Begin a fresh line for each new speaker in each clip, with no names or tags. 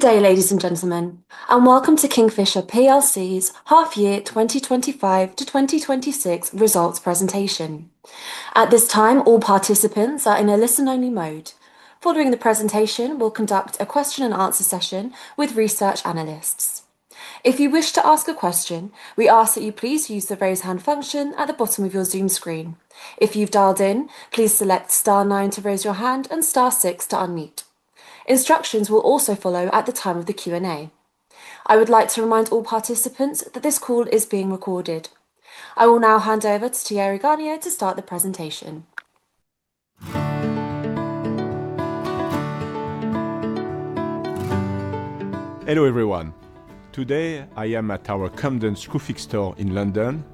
Good day, ladies and gentlemen, and welcome to Kingfisher PLC's half-year 2025 to 2026 results presentation. At this time, all participants are in a listen-only mode. Following the presentation, we'll conduct a question-and-answer session with research analysts. If you wish to ask a question, we ask that you please use the raise-hand function at the bottom of your Zoom screen. If you've dialed in, please select *9 to raise your hand and *6 to unmute. Instructions will also follow at the time of the Q&A. I would like to remind all participants that this call is being recorded. I will now hand over to Thierry Garnier to start the presentation.
Hello everyone. Today I am at our Camden Screwfix store in London,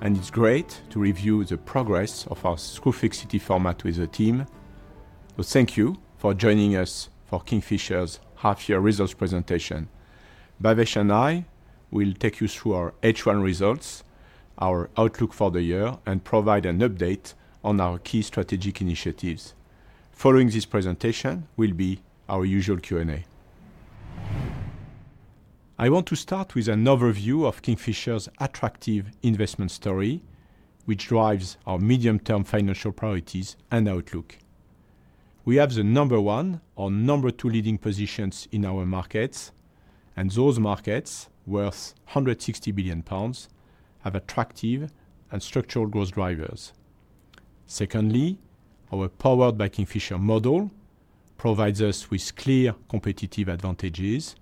and it's great to review the progress of our Screwfix City format with the team. Thank you for joining us for Kingfisher's half-year results presentation. Bhavesh and I will take you through our H1 results, our outlook for the year, and provide an update on our key strategic initiatives. Following this presentation will be our usual Q&A. I want to start with an overview of Kingfisher's attractive investment story, which drives our medium-term financial priorities and outlook. We have the number one or number two leading positions in our markets, and those markets, worth £160 billion, have attractive and structural growth drivers. Secondly, our powered by Kingfisher model provides us with clear competitive advantages.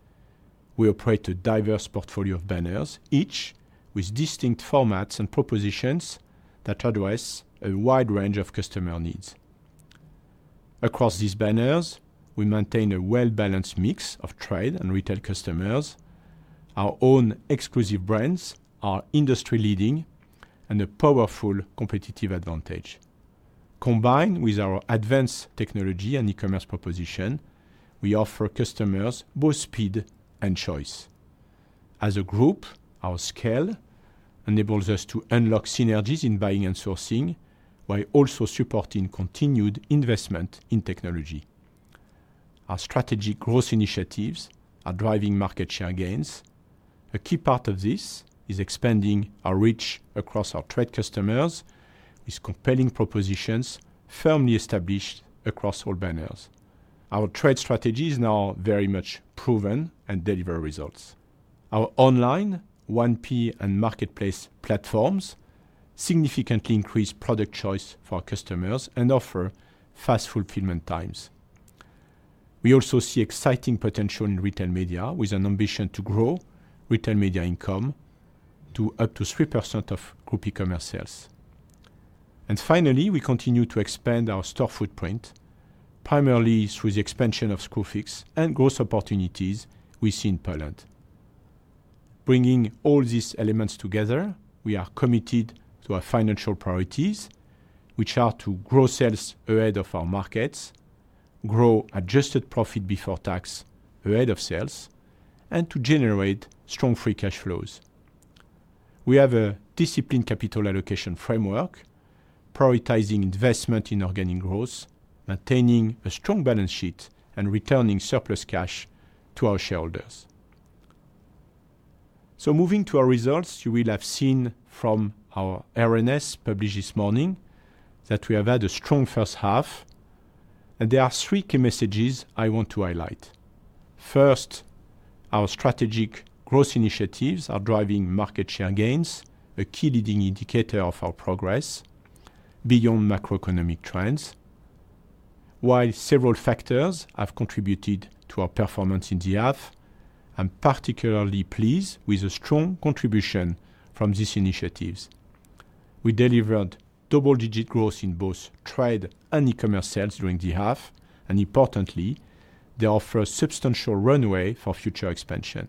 We operate a diverse portfolio of banners, each with distinct formats and propositions that address a wide range of customer needs. Across these banners, we maintain a well-balanced mix of trade and retail customers. Our own exclusive brands are industry-leading and a powerful competitive advantage. Combined with our advanced technology and e-commerce proposition, we offer customers both speed and choice. As a group, our scale enables us to unlock synergies in buying and sourcing while also supporting continued investment in technology. Our strategic growth initiatives are driving market share gains. A key part of this is expanding our reach across our trade customers with compelling propositions firmly established across all banners. Our trade strategy is now very much proven and delivering results. Our online, 1P, and marketplace platforms significantly increase product choice for our customers and offer fast fulfillment times. We also see exciting potential in retail media with an ambition to grow retail media income to up to 3% of group e-commerce sales. Finally, we continue to expand our store footprint, primarily through the expansion of Screwfix and growth opportunities we see in Poland. Bringing all these elements together, we are committed to our financial priorities, which are to grow sales ahead of our markets, grow adjusted profit before tax ahead of sales, and to generate strong free cash flows. We have a disciplined capital allocation framework, prioritizing investment in organic growth, maintaining a strong balance sheet, and returning surplus cash to our shareholders. Moving to our results, you will have seen from our RNS published this morning that we have had a strong first half, and there are three key messages I want to highlight. First, our strategic growth initiatives are driving market share gains, a key leading indicator of our progress beyond macroeconomic trends. While several factors have contributed to our performance in the half, I'm particularly pleased with the strong contribution from these initiatives. We delivered double-digit growth in both trade and e-commerce sales during the half, and importantly, they offer a substantial runway for future expansion.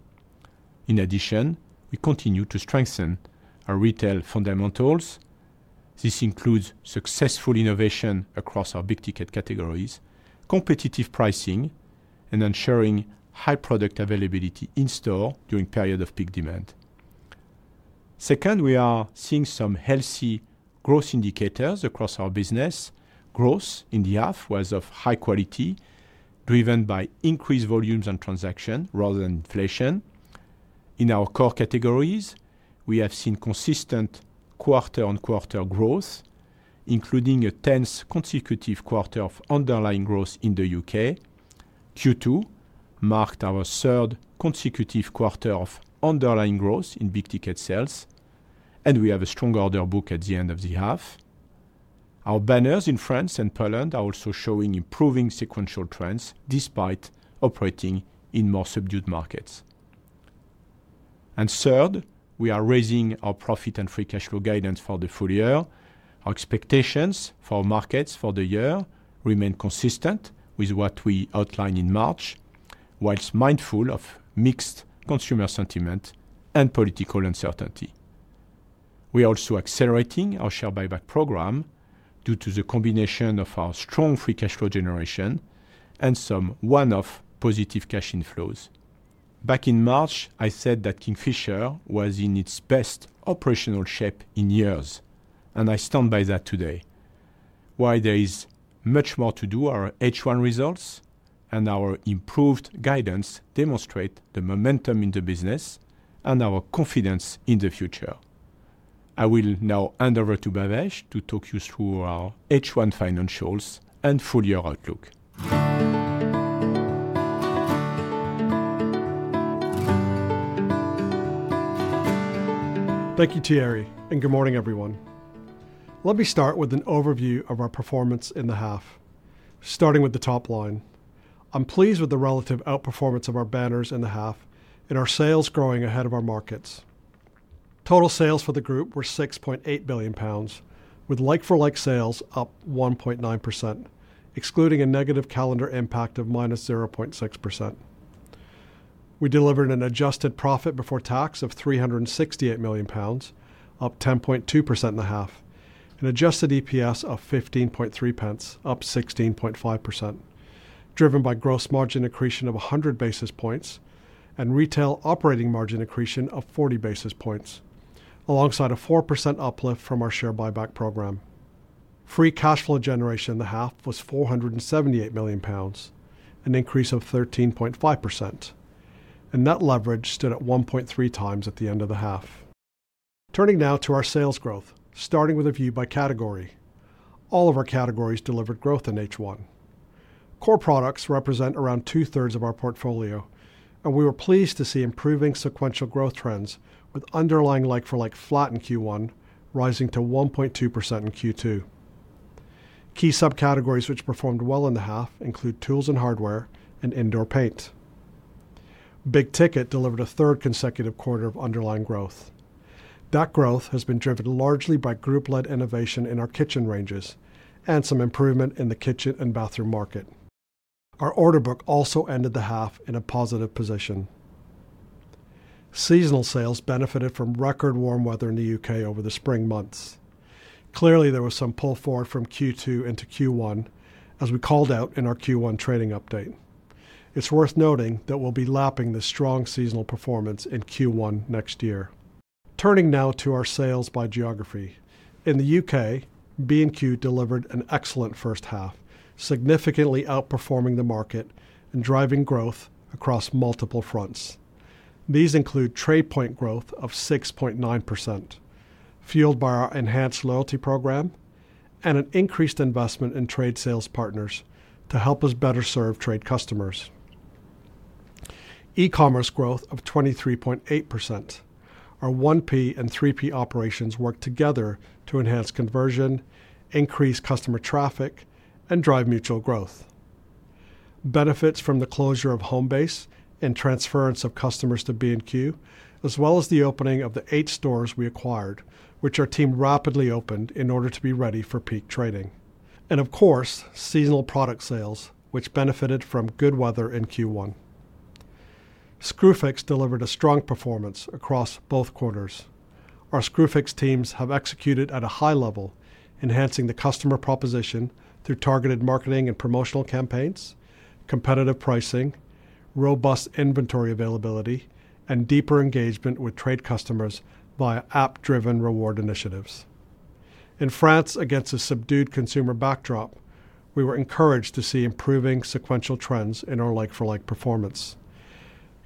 In addition, we continue to strengthen our retail fundamentals. This includes successful innovation across our big-ticket categories, competitive pricing, and ensuring high product availability in-store during periods of peak demand. Second, we are seeing some healthy growth indicators across our business. Growth in the half was of high quality, driven by increased volumes and transactions rather than inflation. In our core categories, we have seen consistent quarter-on-quarter growth, including a 10th consecutive quarter of underlying growth in the UK. Q2 marked our third consecutive quarter of underlying growth in big-ticket sales, and we have a strong order book at the end of the half. Our banners in France and Poland are also showing improving sequential trends despite operating in more subdued markets. Third, we are raising our profit and free cash flow guidance for the full year. Our expectations for markets for the year remain consistent with what we outlined in March, whilst mindful of mixed consumer sentiment and political uncertainty. We are also accelerating our share buyback program due to the combination of our strong free cash flow generation and some one-off positive cash inflows. Back in March, I said that Kingfisher was in its best operational shape in years, and I stand by that today. While there is much more to do, our H1 results and our improved guidance demonstrate the momentum in the business and our confidence in the future. I will now hand over to Bhavesh to talk you through our H1 financials and full-year outlook.
Thank you, Thierry, and good morning, everyone. Let me start with an overview of our performance in the half. Starting with the top line, I'm pleased with the relative outperformance of our banners in the half and our sales growing ahead of our markets. Total sales for the group were £6.8 billion, with like-for-like sales up 1.9%, excluding a negative calendar impact of -0.6%. We delivered an adjusted profit before tax of £368 million, up 10.2% in the half, and an adjusted EPS of £0.153, up 16.5%, driven by gross margin accretion of 100 basis points and retail operating margin accretion of 40 basis points, alongside a 4% uplift from our share buyback program. Free cash flow generation in the half was £478 million, an increase of 13.5%, and net leverage stood at 1.3 times at the end of the half. Turning now to our sales growth, starting with a view by category, all of our categories delivered growth in H1. Core products represent around two-thirds of our portfolio, and we were pleased to see improving sequential growth trends with underlying like-for-like flat in Q1, rising to 1.2% in Q2. Key subcategories which performed well in the half include tools and hardware and indoor paint. Big-ticket delivered a third consecutive quarter of underlying growth. That growth has been driven largely by group-led innovation in our kitchen ranges and some improvement in the kitchen and bathroom market. Our order book also ended the half in a positive position. Seasonal sales benefited from record warm weather in the UK over the spring months. Clearly, there was some pull forward from Q2 into Q1, as we called out in our Q1 trading update. It's worth noting that we'll be lapping the strong seasonal performance in Q1 next year. Turning now to our sales by geography, in the UK, B&Q delivered an excellent first half, significantly outperforming the market and driving growth across multiple fronts. These include TradePoint growth of 6.9%, fueled by our enhanced loyalty program and an increased investment in trade sales partners to help us better serve trade customers. E-commerce growth of 23.8%. Our 1P and 3P operations work together to enhance conversion, increase customer traffic, and drive mutual growth. Benefits from the closure of Homebase and transference of customers to B&Q, as well as the opening of the eight stores we acquired, which our team rapidly opened in order to be ready for peak trading. Of course, seasonal product sales benefited from good weather in Q1. Screwfix delivered a strong performance across both quarters. Our Screwfix teams have executed at a high level, enhancing the customer proposition through targeted marketing and promotional campaigns, competitive pricing, robust inventory availability, and deeper engagement with trade customers via app-driven reward initiatives. In France, against a subdued consumer backdrop, we were encouraged to see improving sequential trends in our like-for-like performance.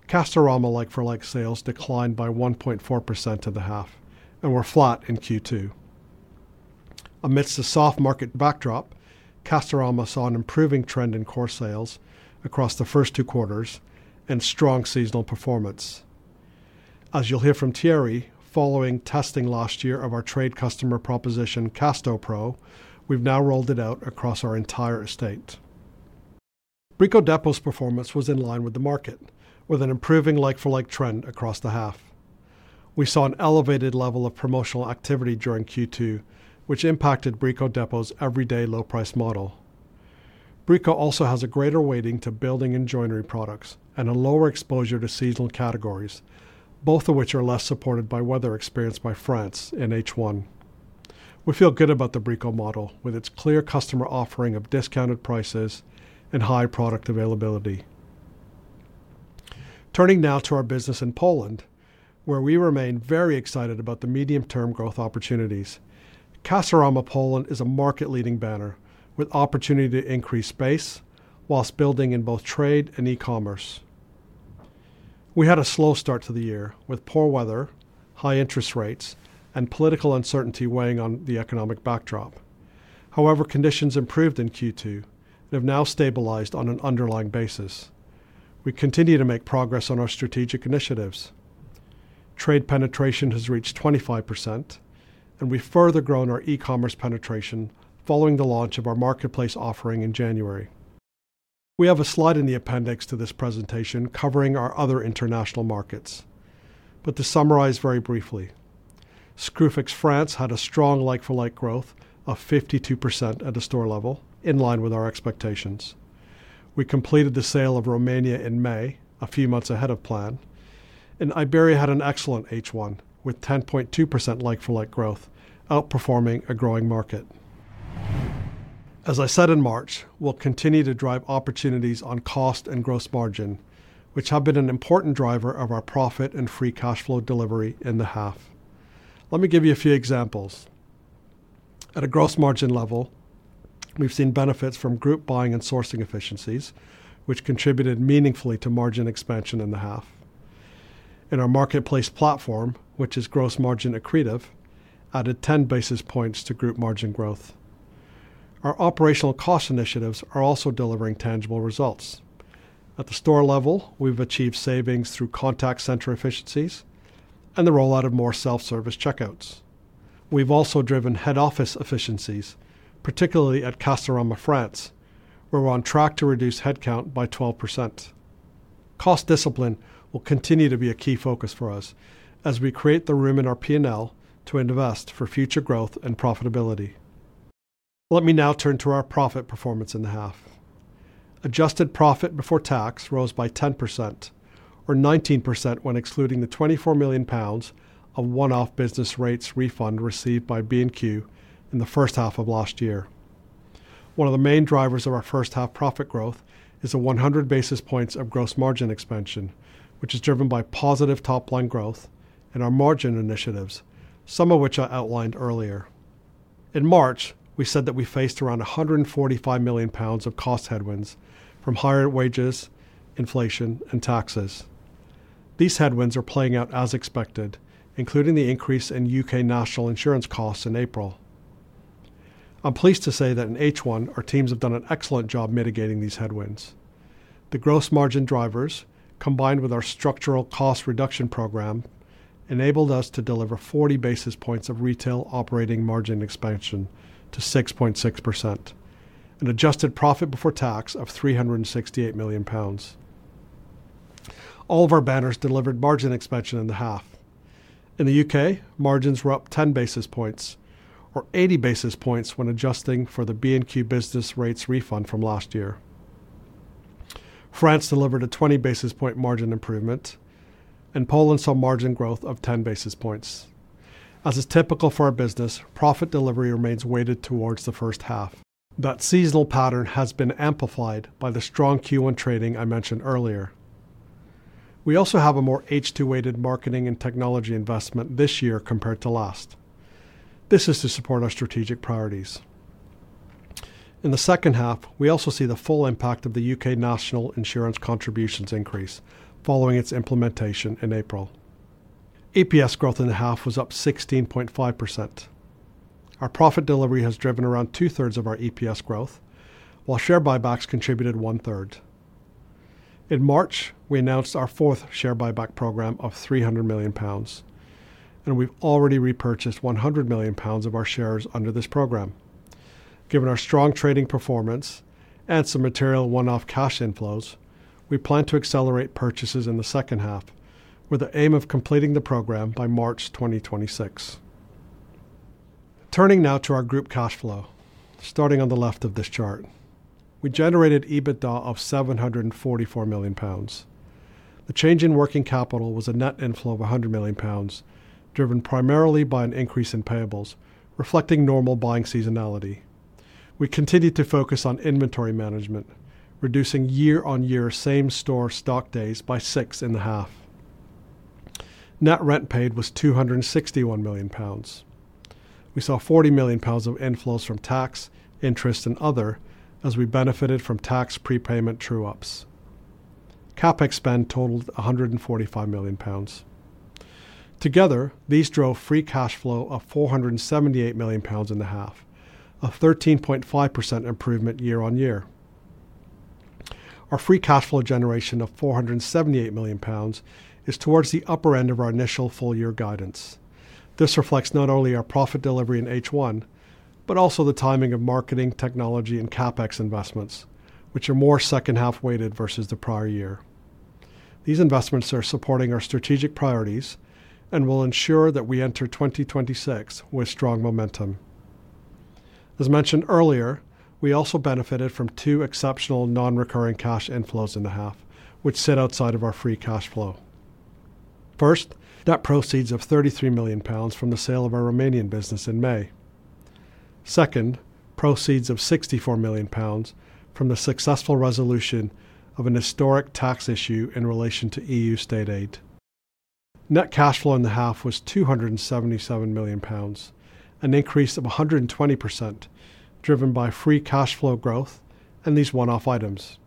Castorama like-for-like sales declined by 1.4% in the half and were flat in Q2. Amidst a soft market backdrop, Castorama saw an improving trend in core sales across the first two quarters and strong seasonal performance. As you'll hear from Thierry, following testing last year of our trade customer proposition, Castopro, we've now rolled it out across our entire estate. Brico Dépôt's performance was in line with the market, with an improving like-for-like trend across the half. We saw an elevated level of promotional activity during Q2, which impacted Brico Dépôt's everyday low-price model. Brico Dépôt also has a greater weighting to building and joinery products and a lower exposure to seasonal categories, both of which are less supported by weather experienced by France in H1. We feel good about the Brico Dépôt model with its clear customer offering of discounted prices and high product availability. Turning now to our business in Poland, where we remain very excited about the medium-term growth opportunities. Castorama Poland is a market-leading banner with opportunity to increase space whilst building in both trade and e-commerce. We had a slow start to the year with poor weather, high interest rates, and political uncertainty weighing on the economic backdrop. However, conditions improved in Q2 and have now stabilized on an underlying basis. We continue to make progress on our strategic initiatives. Trade penetration has reached 25%, and we've further grown our e-commerce penetration following the launch of our marketplace offering in January. We have a slide in the appendix to this presentation covering our other international markets. To summarize very briefly, Screwfix France had a strong like-for-like growth of 52% at the store level, in line with our expectations. We completed the sale of Romania in May, a few months ahead of plan, and Iberia had an excellent H1 with 10.2% like-for-like growth, outperforming a growing market. As I said in March, we'll continue to drive opportunities on cost and gross margin, which have been an important driver of our profit and free cash flow delivery in the half. Let me give you a few examples. At a gross margin level, we've seen benefits from group buying and sourcing efficiencies, which contributed meaningfully to margin expansion in the half. In our marketplace platform, which is gross margin accretive, added 10 basis points to group margin growth. Our operational cost initiatives are also delivering tangible results. At the store level, we've achieved savings through contact center efficiencies and the rollout of more self-service checkouts. We've also driven head office efficiencies, particularly at Castorama France, where we're on track to reduce headcount by 12%. Cost discipline will continue to be a key focus for us as we create the room in our P&L to invest for future growth and profitability. Let me now turn to our profit performance in the half. Adjusted profit before tax rose by 10%, or 19% when excluding the £24 million of one-off business rates refund received by B&Q in the first half of last year. One of the main drivers of our first half profit growth is the 100 basis points of gross margin expansion, which is driven by positive top-line growth and our margin initiatives, some of which I outlined earlier. In March, we said that we faced around £145 million of cost headwinds from higher wages, inflation, and taxes. These headwinds are playing out as expected, including the increase in UK national insurance costs in April. I'm pleased to say that in H1, our teams have done an excellent job mitigating these headwinds. The gross margin drivers, combined with our structural cost reduction program, enabled us to deliver 40 basis points of retail operating margin expansion to 6.6%, an adjusted profit before tax of £368 million. All of our banners delivered margin expansion in the half. In the UK, margins were up 10 basis points, or 80 basis points when adjusting for the B&Q business rates refund from last year. France delivered a 20 basis point margin improvement, and Poland saw margin growth of 10 basis points. As is typical for a business, profit delivery remains weighted towards the first half. That seasonal pattern has been amplified by the strong Q1 trading I mentioned earlier. We also have a more H2-weighted marketing and technology investment this year compared to last. This is to support our strategic priorities. In the second half, we also see the full impact of the UK national insurance contributions increase following its implementation in April. EPS growth in the half was up 16.5%. Our profit delivery has driven around two-thirds of our EPS growth, while share buybacks contributed one-third. In March, we announced our fourth share buyback program of £300 million, and we've already repurchased £100 million of our shares under this program. Given our strong trading performance and some material one-off cash inflows, we plan to accelerate purchases in the second half with the aim of completing the program by March 2026. Turning now to our group cash flow, starting on the left of this chart, we generated EBITDA of £744 million. The change in working capital was a net inflow of £100 million, driven primarily by an increase in payables, reflecting normal buying seasonality. We continued to focus on inventory management, reducing year-on-year same-store stock days by six in the half. Net rent paid was £261 million. We saw £40 million of inflows from tax, interest, and other as we benefited from tax prepayment true-ups. CapEx spend totaled £145 million. Together, these drove free cash flow of £478 million in the half, a 13.5% improvement year-on-year. Our free cash flow generation of £478 million is towards the upper end of our initial full-year guidance. This reflects not only our profit delivery in H1, but also the timing of marketing, technology, and CapEx investments, which are more second-half weighted versus the prior year. These investments are supporting our strategic priorities and will ensure that we enter 2026 with strong momentum. As mentioned earlier, we also benefited from two exceptional non-recurring cash inflows in the half, which sit outside of our free cash flow. First, net proceeds of £33 million from the sale of our Romanian business in May. Second, proceeds of £64 million from the successful resolution of an historic tax issue in relation to EU state aid. Net cash flow in the half was £277 million, an increase of 120% driven by free cash flow growth and these one-off items.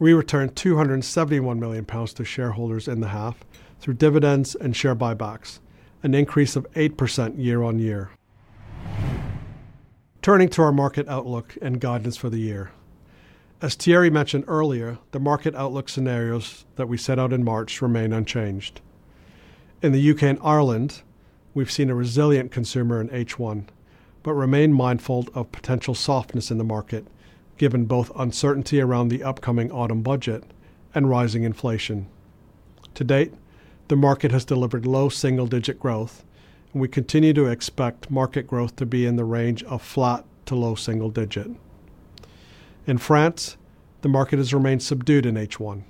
We returned £271 million to shareholders in the half through dividends and share buybacks, an increase of 8% year-on-year. Turning to our market outlook and guidance for the year. As Thierry Garnier mentioned earlier, the market outlook scenarios that we set out in March remain unchanged. In the UK and Ireland, we've seen a resilient consumer in H1, but remain mindful of potential softness in the market given both uncertainty around the upcoming autumn budget and rising inflation. To date, the market has delivered low single-digit growth, and we continue to expect market growth to be in the range of flat to low single digit. In France, the market has remained subdued in H1.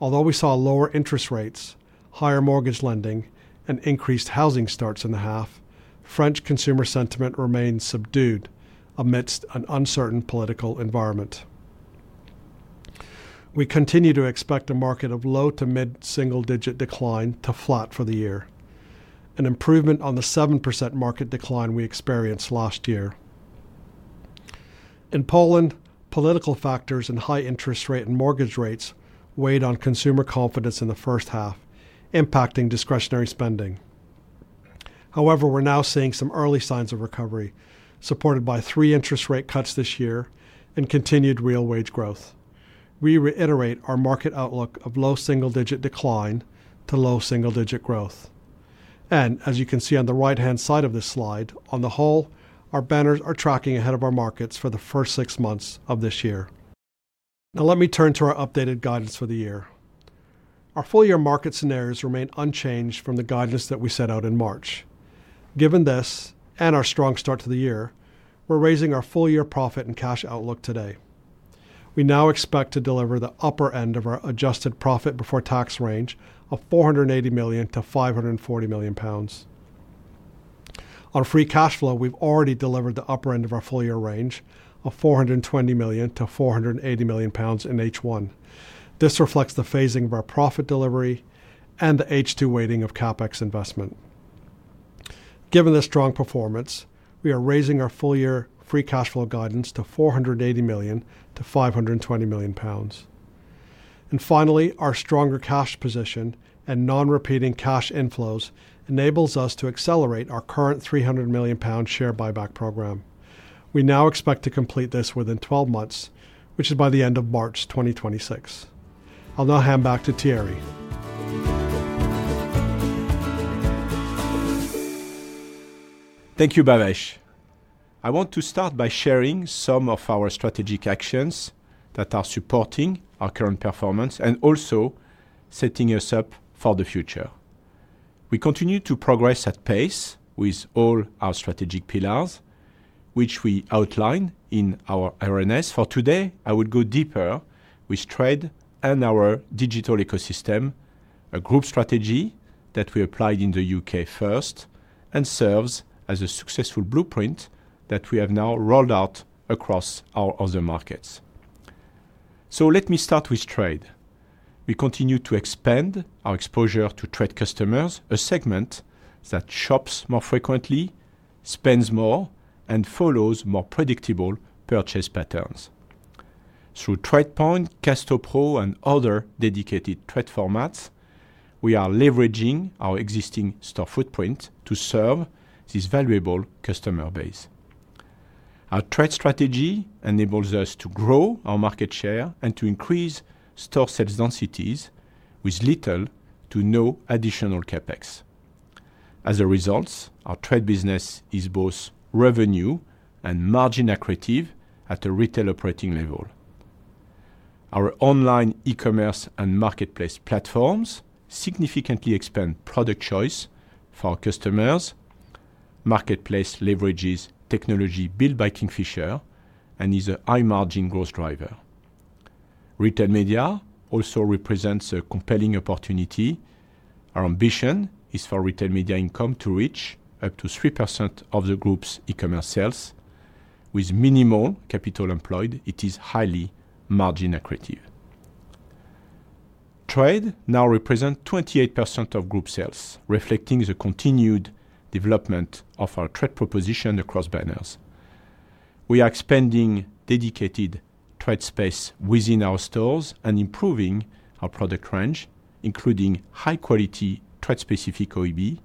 Although we saw lower interest rates, higher mortgage lending, and increased housing starts in the half, French consumer sentiment remains subdued amidst an uncertain political environment. We continue to expect a market of low to mid-single-digit decline to flat for the year, an improvement on the 7% market decline we experienced last year. In Poland, political factors and high interest rate and mortgage rates weighed on consumer confidence in the first half, impacting discretionary spending. However, we're now seeing some early signs of recovery, supported by three interest rate cuts this year and continued real wage growth. We reiterate our market outlook of low single-digit decline to low single-digit growth. As you can see on the right-hand side of this slide, on the whole, our banners are tracking ahead of our markets for the first six months of this year. Now let me turn to our updated guidance for the year. Our full-year market scenarios remain unchanged from the guidance that we set out in March. Given this and our strong start to the year, we're raising our full-year profit and cash outlook today. We now expect to deliver the upper end of our adjusted profit before tax range of £480 million to £540 million. On free cash flow, we've already delivered the upper end of our full-year range of £420 million to £480 million in H1. This reflects the phasing of our profit delivery and the H2 weighting of CapEx investment. Given this strong performance, we are raising our full-year free cash flow guidance to £480 million to £520 million. Finally, our stronger cash position and non-repeating cash inflows enable us to accelerate our current £300 million share buyback program. We now expect to complete this within 12 months, which is by the end of March 2026. I'll now hand back to Thierry Garnier.
Thank you, Bhavesh. I want to start by sharing some of our strategic actions that are supporting our current performance and also setting us up for the future. We continue to progress at pace with all our strategic pillars, which we outlined in our RNS for today. I would go deeper with trade and our digital ecosystem, a group strategy that we applied in the UK first and serves as a successful blueprint that we have now rolled out across our other markets. Let me start with trade. We continue to expand our exposure to trade customers, a segment that shops more frequently, spends more, and follows more predictable purchase patterns. Through TradePoint, Castopro, and other dedicated trade formats, we are leveraging our existing store footprint to serve this valuable customer base. Our trade strategy enables us to grow our market share and to increase store sales densities with little to no additional CapEx. As a result, our trade business is both revenue and margin accretive at a retail operating level. Our online e-commerce and marketplace platforms significantly expand product choice for our customers. Marketplace leverages technology built by Kingfisher and is a high-margin growth driver. Retail media also represents a compelling opportunity. Our ambition is for retail media income to reach up to 3% of the group's e-commerce sales. With minimal capital employed, it is highly margin accretive. Trade now represents 28% of group sales, reflecting the continued development of our trade proposition across banners. We are expanding dedicated trade space within our stores and improving our product range, including high-quality trade-specific OEB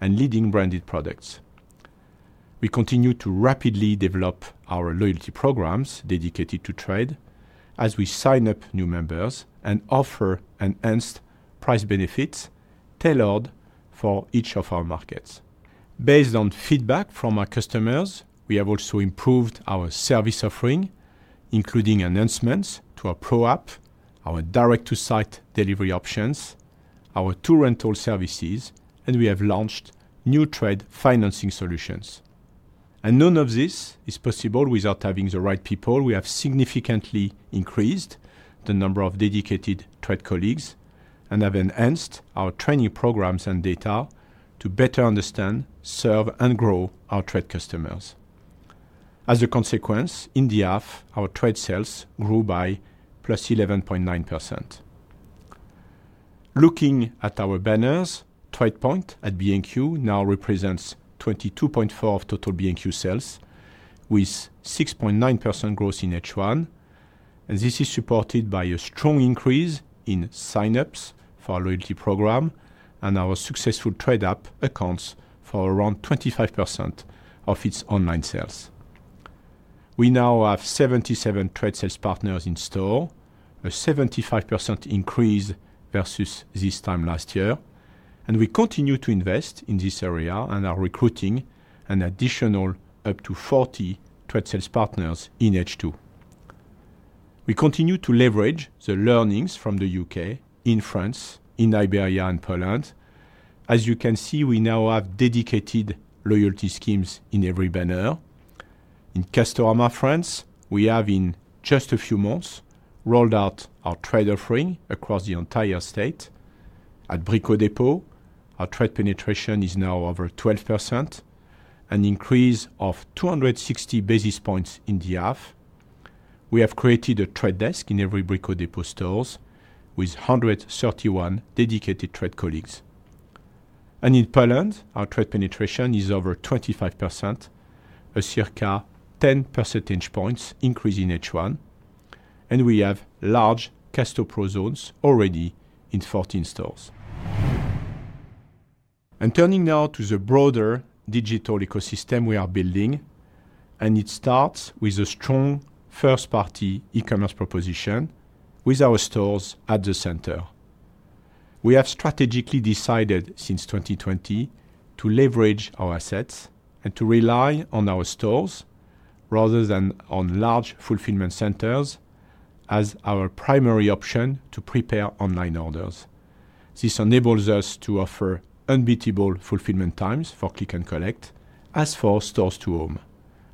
and leading branded products. We continue to rapidly develop our loyalty programs dedicated to trade as we sign up new members and offer enhanced price benefits tailored for each of our markets. Based on feedback from our customers, we have also improved our service offering, including enhancements to our pro app, our direct-to-site delivery options, our tool rental services, and we have launched new trade financing solutions. None of this is possible without having the right people. We have significantly increased the number of dedicated trade colleagues and have enhanced our training programs and data to better understand, serve, and grow our trade customers. As a consequence, in the half, our trade sales grew by +11.9%. Looking at our banners, TradePoint at B&Q now represents 22.4% of total B&Q sales, with 6.9% growth in H1. This is supported by a strong increase in sign-ups for our loyalty program, and our successful trade app accounts for around 25% of its online sales. We now have 77 trade sales partners in store, a 75% increase versus this time last year. We continue to invest in this area and are recruiting an additional up to 40 trade sales partners in H2. We continue to leverage the learnings from the UK, in France, in Iberia, and Poland. As you can see, we now have dedicated loyalty schemes in every banner. In Castorama France, we have in just a few months rolled out our trade offering across the entire estate. At Brico Dépôt, our trade penetration is now over 12%, an increase of 260 basis points in the half. We have created a trade desk in every Brico Dépôt store with 131 dedicated trade colleagues. In Poland, our trade penetration is over 25%, a circa 10 percentage points increase in H1. We have large Castopro zones already in 14 stores. Turning now to the broader digital ecosystem we are building, it starts with a strong first-party e-commerce proposition with our stores at the center. We have strategically decided since 2020 to leverage our assets and to rely on our stores rather than on large fulfillment centers as our primary option to prepare online orders. This enables us to offer unbeatable fulfillment times for click and collect as for stores to own.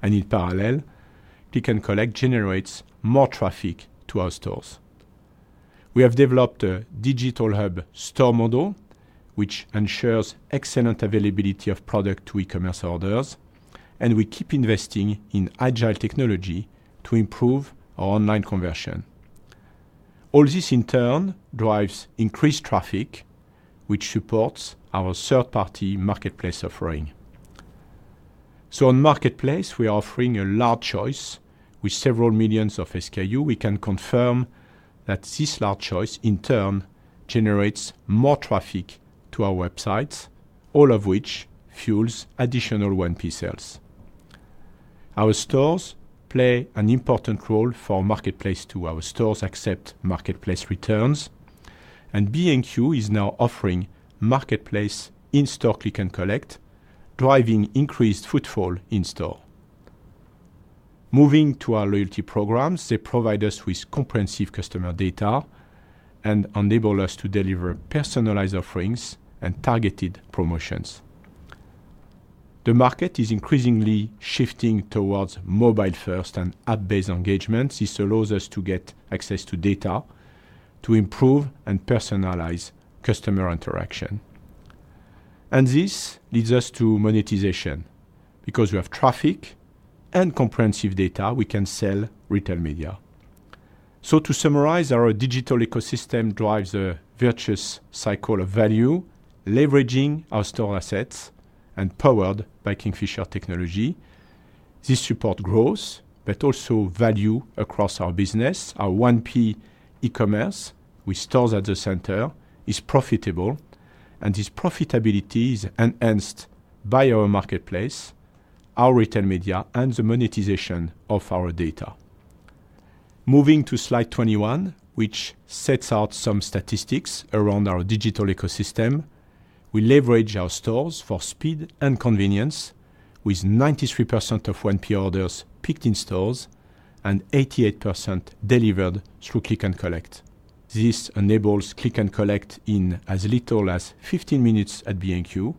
In parallel, click and collect generates more traffic to our stores. We have developed a digital hub store model, which ensures excellent availability of product to e-commerce orders, and we keep investing in agile technology to improve our online conversion. All this in turn drives increased traffic, which supports our third-party marketplace offering. On marketplace, we are offering a large choice with several millions of SKUs. We can confirm that this large choice in turn generates more traffic to our websites, all of which fuels additional 1P sales. Our stores play an important role for marketplace too. Our stores accept marketplace returns, and B&Q is now offering marketplace in-store click and collect, driving increased footfall in store. Moving to our loyalty programs, they provide us with comprehensive customer data and enable us to deliver personalized offerings and targeted promotions. The market is increasingly shifting towards mobile-first and app-based engagement. This allows us to get access to data to improve and personalize customer interaction. This leads us to monetization. Because we have traffic and comprehensive data, we can sell retail media. To summarize, our digital ecosystem drives a virtuous cycle of value, leveraging our store assets and powered by Kingfisher technology. This supports growth, but also value across our business. Our 1P e-commerce with stores at the center is profitable, and this profitability is enhanced by our marketplace, our retail media, and the monetization of our data. Moving to slide 21, which sets out some statistics around our digital ecosystem, we leverage our stores for speed and convenience, with 93% of 1P orders picked in stores and 88% delivered through click and collect. This enables click and collect in as little as 15 minutes at B&Q,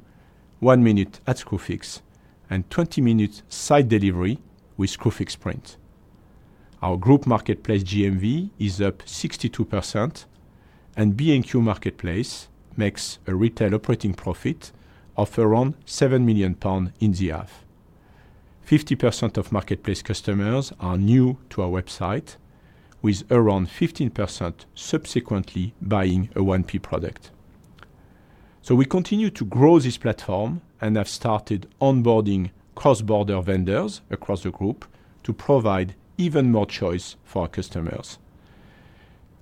1 minute at Screwfix, and 20 minutes site delivery with Screwfix Sprint. Our group marketplace GMV is up 62%, and B&Q marketplace makes a retail operating profit of around £7 million in the half. 50% of marketplace customers are new to our website, with around 15% subsequently buying a 1P product. We continue to grow this platform and have started onboarding cross-border vendors across the group to provide even more choice for our customers.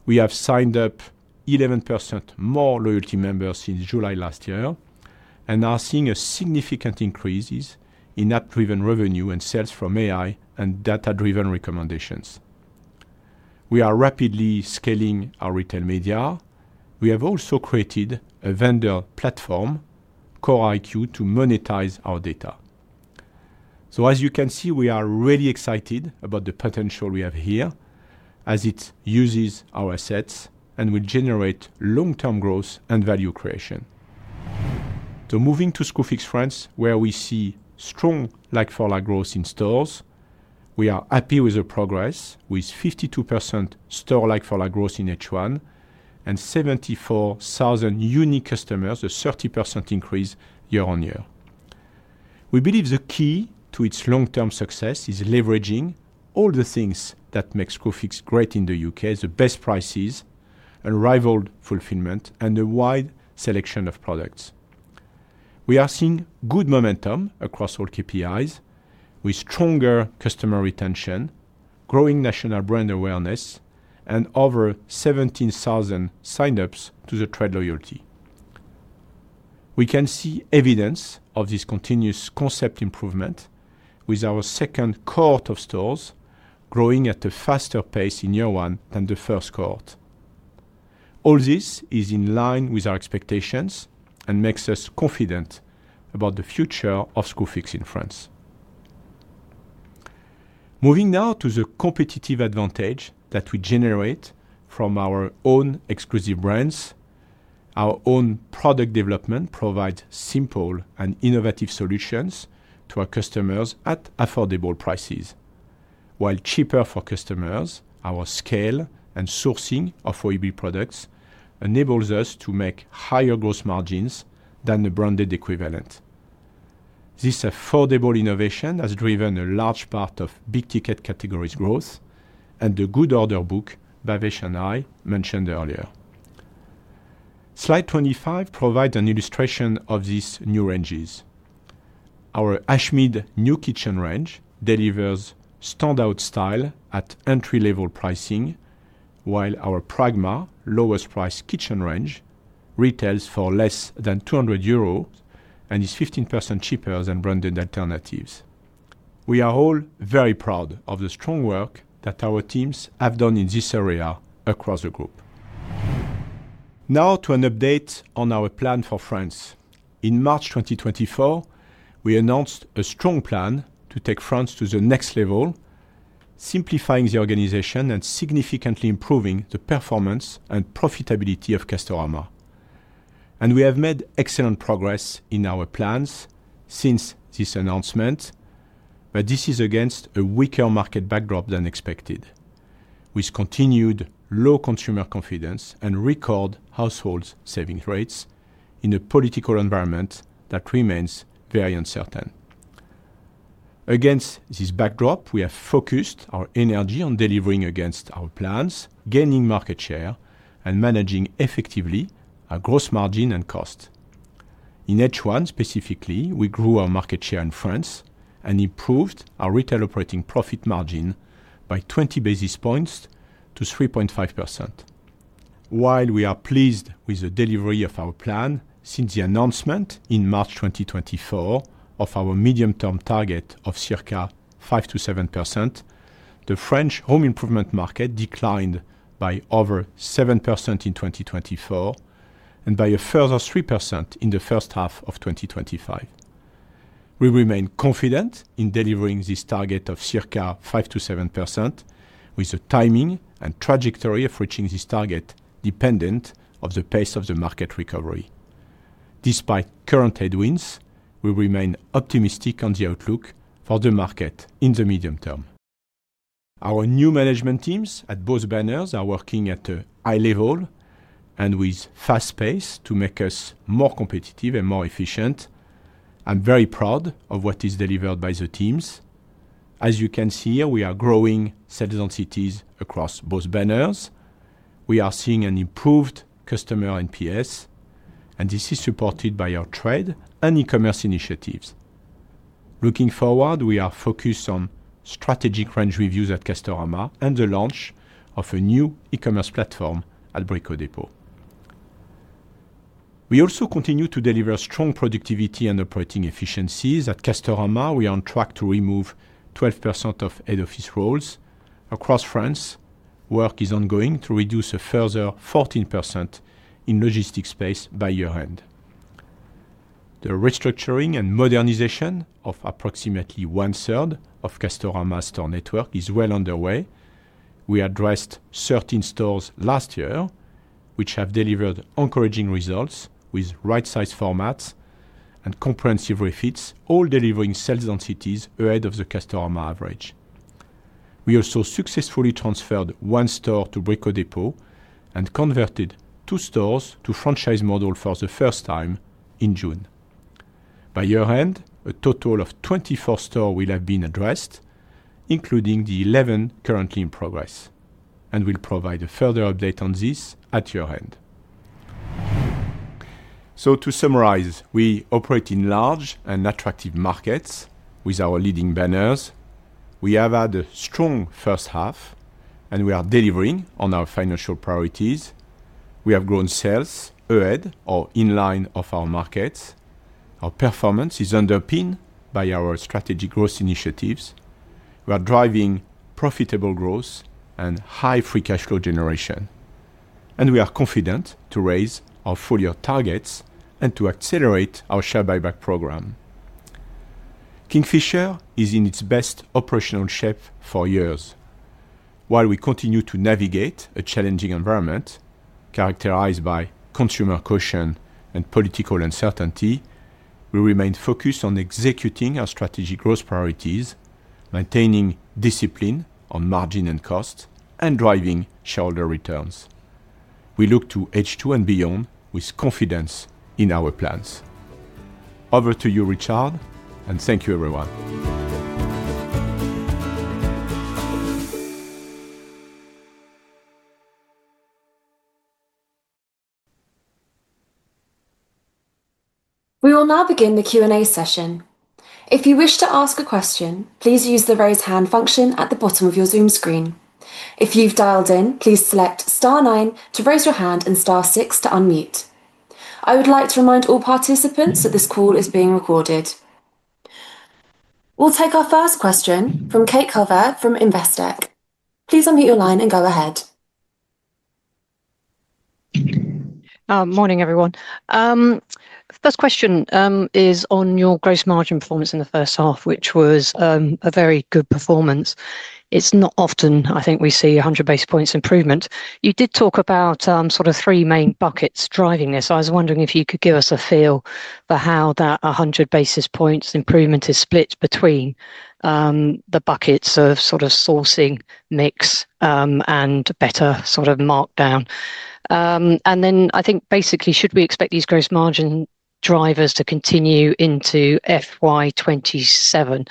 We have signed up 11% more loyalty members since July last year and are seeing a significant increase in app-driven revenue and sales from AI and data-driven recommendations. We are rapidly scaling our retail media. We have also created a vendor platform, CoreIQ, to monetize our data. As you can see, we are really excited about the potential we have here as it uses our assets and will generate long-term growth and value creation. Moving to Screwfix France, where we see strong like-for-like growth in stores, we are happy with the progress, with 52% store like-for-like growth in H1 and 74,000 unique customers, a 30% increase year on year. We believe the key to its long-term success is leveraging all the things that make Screwfix great in the UK: the best prices, unrivaled fulfillment, and a wide selection of products. We are seeing good momentum across all KPIs, with stronger customer retention, growing national brand awareness, and over 17,000 sign-ups to the trade loyalty. We can see evidence of this continuous concept improvement with our second cohort of stores growing at a faster pace in year one than the first cohort. All this is in line with our expectations and makes us confident about the future of Screwfix in France. Moving now to the competitive advantage that we generate from our own exclusive brands, our own product development provides simple and innovative solutions to our customers at affordable prices. While cheaper for customers, our scale and sourcing of OEB products enable us to make higher gross margins than the branded equivalent. This affordable innovation has driven a large part of big-ticket categories' growth and the good order book Bhavesh and I mentioned earlier. Slide 25 provides an illustration of these new ranges. Our Ashmead new kitchen range delivers standout style at entry-level pricing, while our Pragma lowest price kitchen range retails for less than €200 and is 15% cheaper than branded alternatives. We are all very proud of the strong work that our teams have done in this area across the group. Now to an update on our plan for France. In March 2024, we announced a strong plan to take France to the next level, simplifying the organization and significantly improving the performance and profitability of Castorama. We have made excellent progress in our plans since this announcement, but this is against a weaker market backdrop than expected, with continued low consumer confidence and record household savings rates in a political environment that remains very uncertain. Against this backdrop, we have focused our energy on delivering against our plans, gaining market share, and managing effectively our gross margin and cost. In H1 specifically, we grew our market share in France and improved our retail operating profit margin by 20 basis points to 3.5%. While we are pleased with the delivery of our plan since the announcement in March 2024 of our medium-term target of circa 5% to 7%, the French home improvement market declined by over 7% in 2024 and by a further 3% in the first half of 2025. We remain confident in delivering this target of circa 5% to 7%, with the timing and trajectory of reaching this target dependent on the pace of the market recovery. Despite current headwinds, we remain optimistic on the outlook for the market in the medium term. Our new management teams at both banners are working at a high level and with fast pace to make us more competitive and more efficient. I'm very proud of what is delivered by the teams. As you can see, we are growing sales densities across both banners. We are seeing an improved customer NPS, and this is supported by our trade and e-commerce initiatives. Looking forward, we are focused on strategic range reviews at Castorama and the launch of a new e-commerce platform at Brico Dépôt. We also continue to deliver strong productivity and operating efficiencies at Castorama. We are on track to remove 12% of head office roles across France. Work is ongoing to reduce a further 14% in logistics space by year-end. The restructuring and modernization of approximately one-third of Castorama's store network is well underway. We addressed 13 stores last year, which have delivered encouraging results with right-size formats and comprehensive refits, all delivering sales densities ahead of the Castorama average. We also successfully transferred one store to Brico Dépôt and converted two stores to a franchise model for the first time in June. By year-end, a total of 24 stores will have been addressed, including the 11 currently in progress, and we'll provide a further update on this at year-end. To summarize, we operate in large and attractive markets with our leading banners. We have had a strong first half, and we are delivering on our financial priorities. We have grown sales ahead or in line of our markets. Our performance is underpinned by our strategic growth initiatives. We are driving profitable growth and high free cash flow generation. We are confident to raise our full-year targets and to accelerate our share buyback program. Kingfisher is in its best operational shape for years. While we continue to navigate a challenging environment characterized by consumer caution and political uncertainty, we remain focused on executing our strategic growth priorities, maintaining discipline on margin and cost, and driving shareholder returns. We look to H2 and beyond with confidence in our plans. Over to you, Richard, and thank you everyone.
We will now begin the Q&A session. If you wish to ask a question, please use the raise hand function at the bottom of your Zoom screen. If you've dialed in, please select star nine to raise your hand and star six to unmute. I would like to remind all participants that this call is being recorded. We'll take our first question from Kate Calvert from Investec. Please unmute your line and go ahead.
Morning everyone. First question is on your gross margin performance in the first half, which was a very good performance. It's not often I think we see 100 basis points improvement. You did talk about sort of three main buckets driving this. I was wondering if you could give us a feel for how that 100 basis points improvement is split between the buckets of sort of sourcing mix and better sort of markdown. I think basically should we expect these gross margin drivers to continue into FY2027?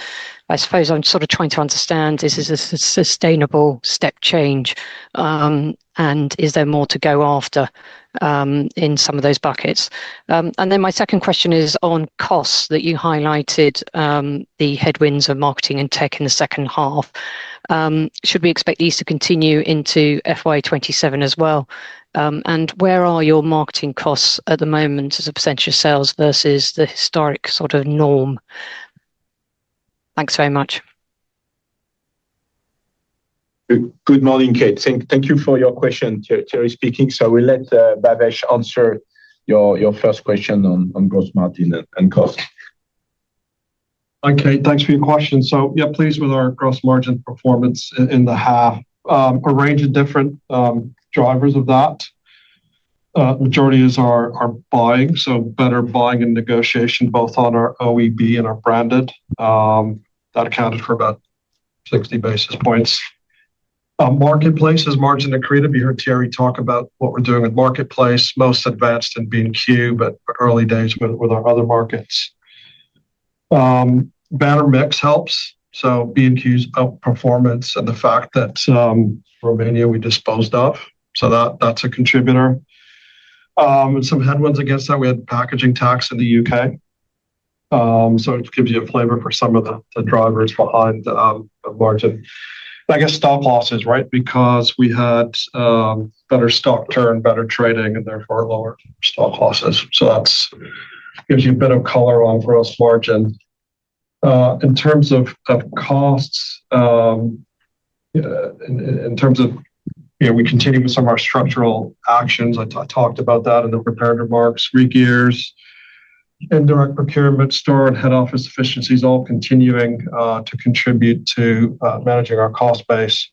I suppose I'm sort of trying to understand is this a sustainable step change and is there more to go after in some of those buckets? My second question is on costs that you highlighted, the headwinds of marketing and tech in the second half. Should we expect these to continue into FY2027 as well? Where are your marketing costs at the moment as a percentage of sales versus the historic sort of norm? Thanks very much.
Good morning, Kate. Thank you for your question. Thierry speaking. We'll let Bhavesh answer your first question on gross margin and cost.
Okay, thanks for your question. Yeah, pleased with our gross margin performance in the half, a range of different drivers of that. The majority is our buying, so better buying and negotiation both on our OEB and our branded. That accounted for about 60 basis points. Marketplace is margin accretive. You heard Thierry talk about what we're doing with marketplace, most advanced at B&Q, but early days with our other markets. Banner mix helps, so B&Q's outperformance and the fact that Romania, we disposed of, so that's a contributor. Some headwinds against that, we had the packaging tax in the UK. It gives you a flavor for some of the drivers behind the margin. I guess stock losses, right? Because we had better stock turn, better trading, and therefore lower stock losses. That gives you a bit of color on gross margin. In terms of costs, we continue with some of our structural actions. I talked about that in the prepared remarks. Riggers, indirect procurement, store, and head office efficiencies all continuing to contribute to managing our cost base.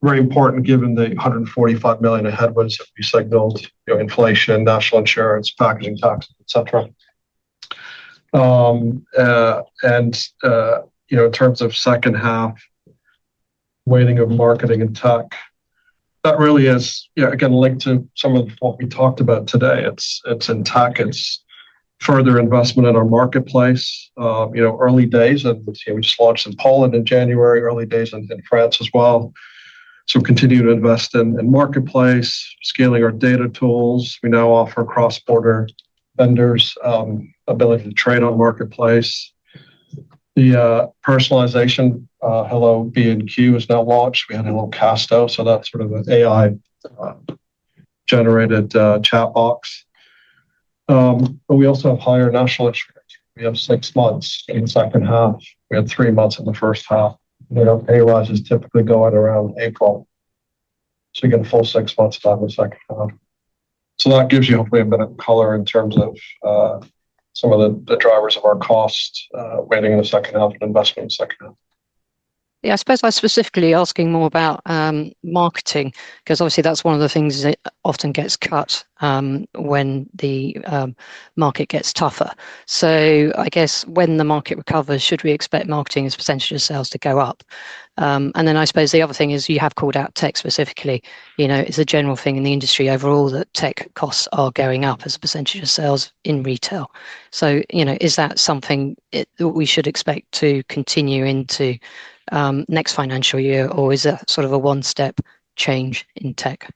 Very important given the £145 million in headwinds that we signaled, inflation, national insurance, packaging tax, etc. In terms of second half, weighting of marketing and tech, that really is, again, linked to some of what we talked about today. In tech, it's further investment in our marketplace. Early days, and we just launched in Poland in January, early days in France as well. We continue to invest in marketplace, scaling our data tools. We now offer cross-border vendors the ability to trade on marketplace. The personalization, Hello, B&Q is now launched. We had a little cast out, so that's sort of an AI-generated chat box. We also have higher national expectations. We have six months in the second half. We had three months in the first half. A-rise is typically going around April. You get a full six months' time in the second half. That gives you hopefully a bit of color in terms of some of the drivers of our cost weighting in the second half and investment in the second half. Yeah, I suppose I'm specifically asking more about marketing because obviously that's one of the things that often gets cut when the market gets tougher.
I guess when the market recovers, should we expect marketing as a % of sales to go up? I suppose the other thing is you have called out tech specifically. It's a general thing in the industry overall that tech costs are going up as a % of sales in retail. Is that something that we should expect to continue into next financial year, or is it sort of a one-step change in tech?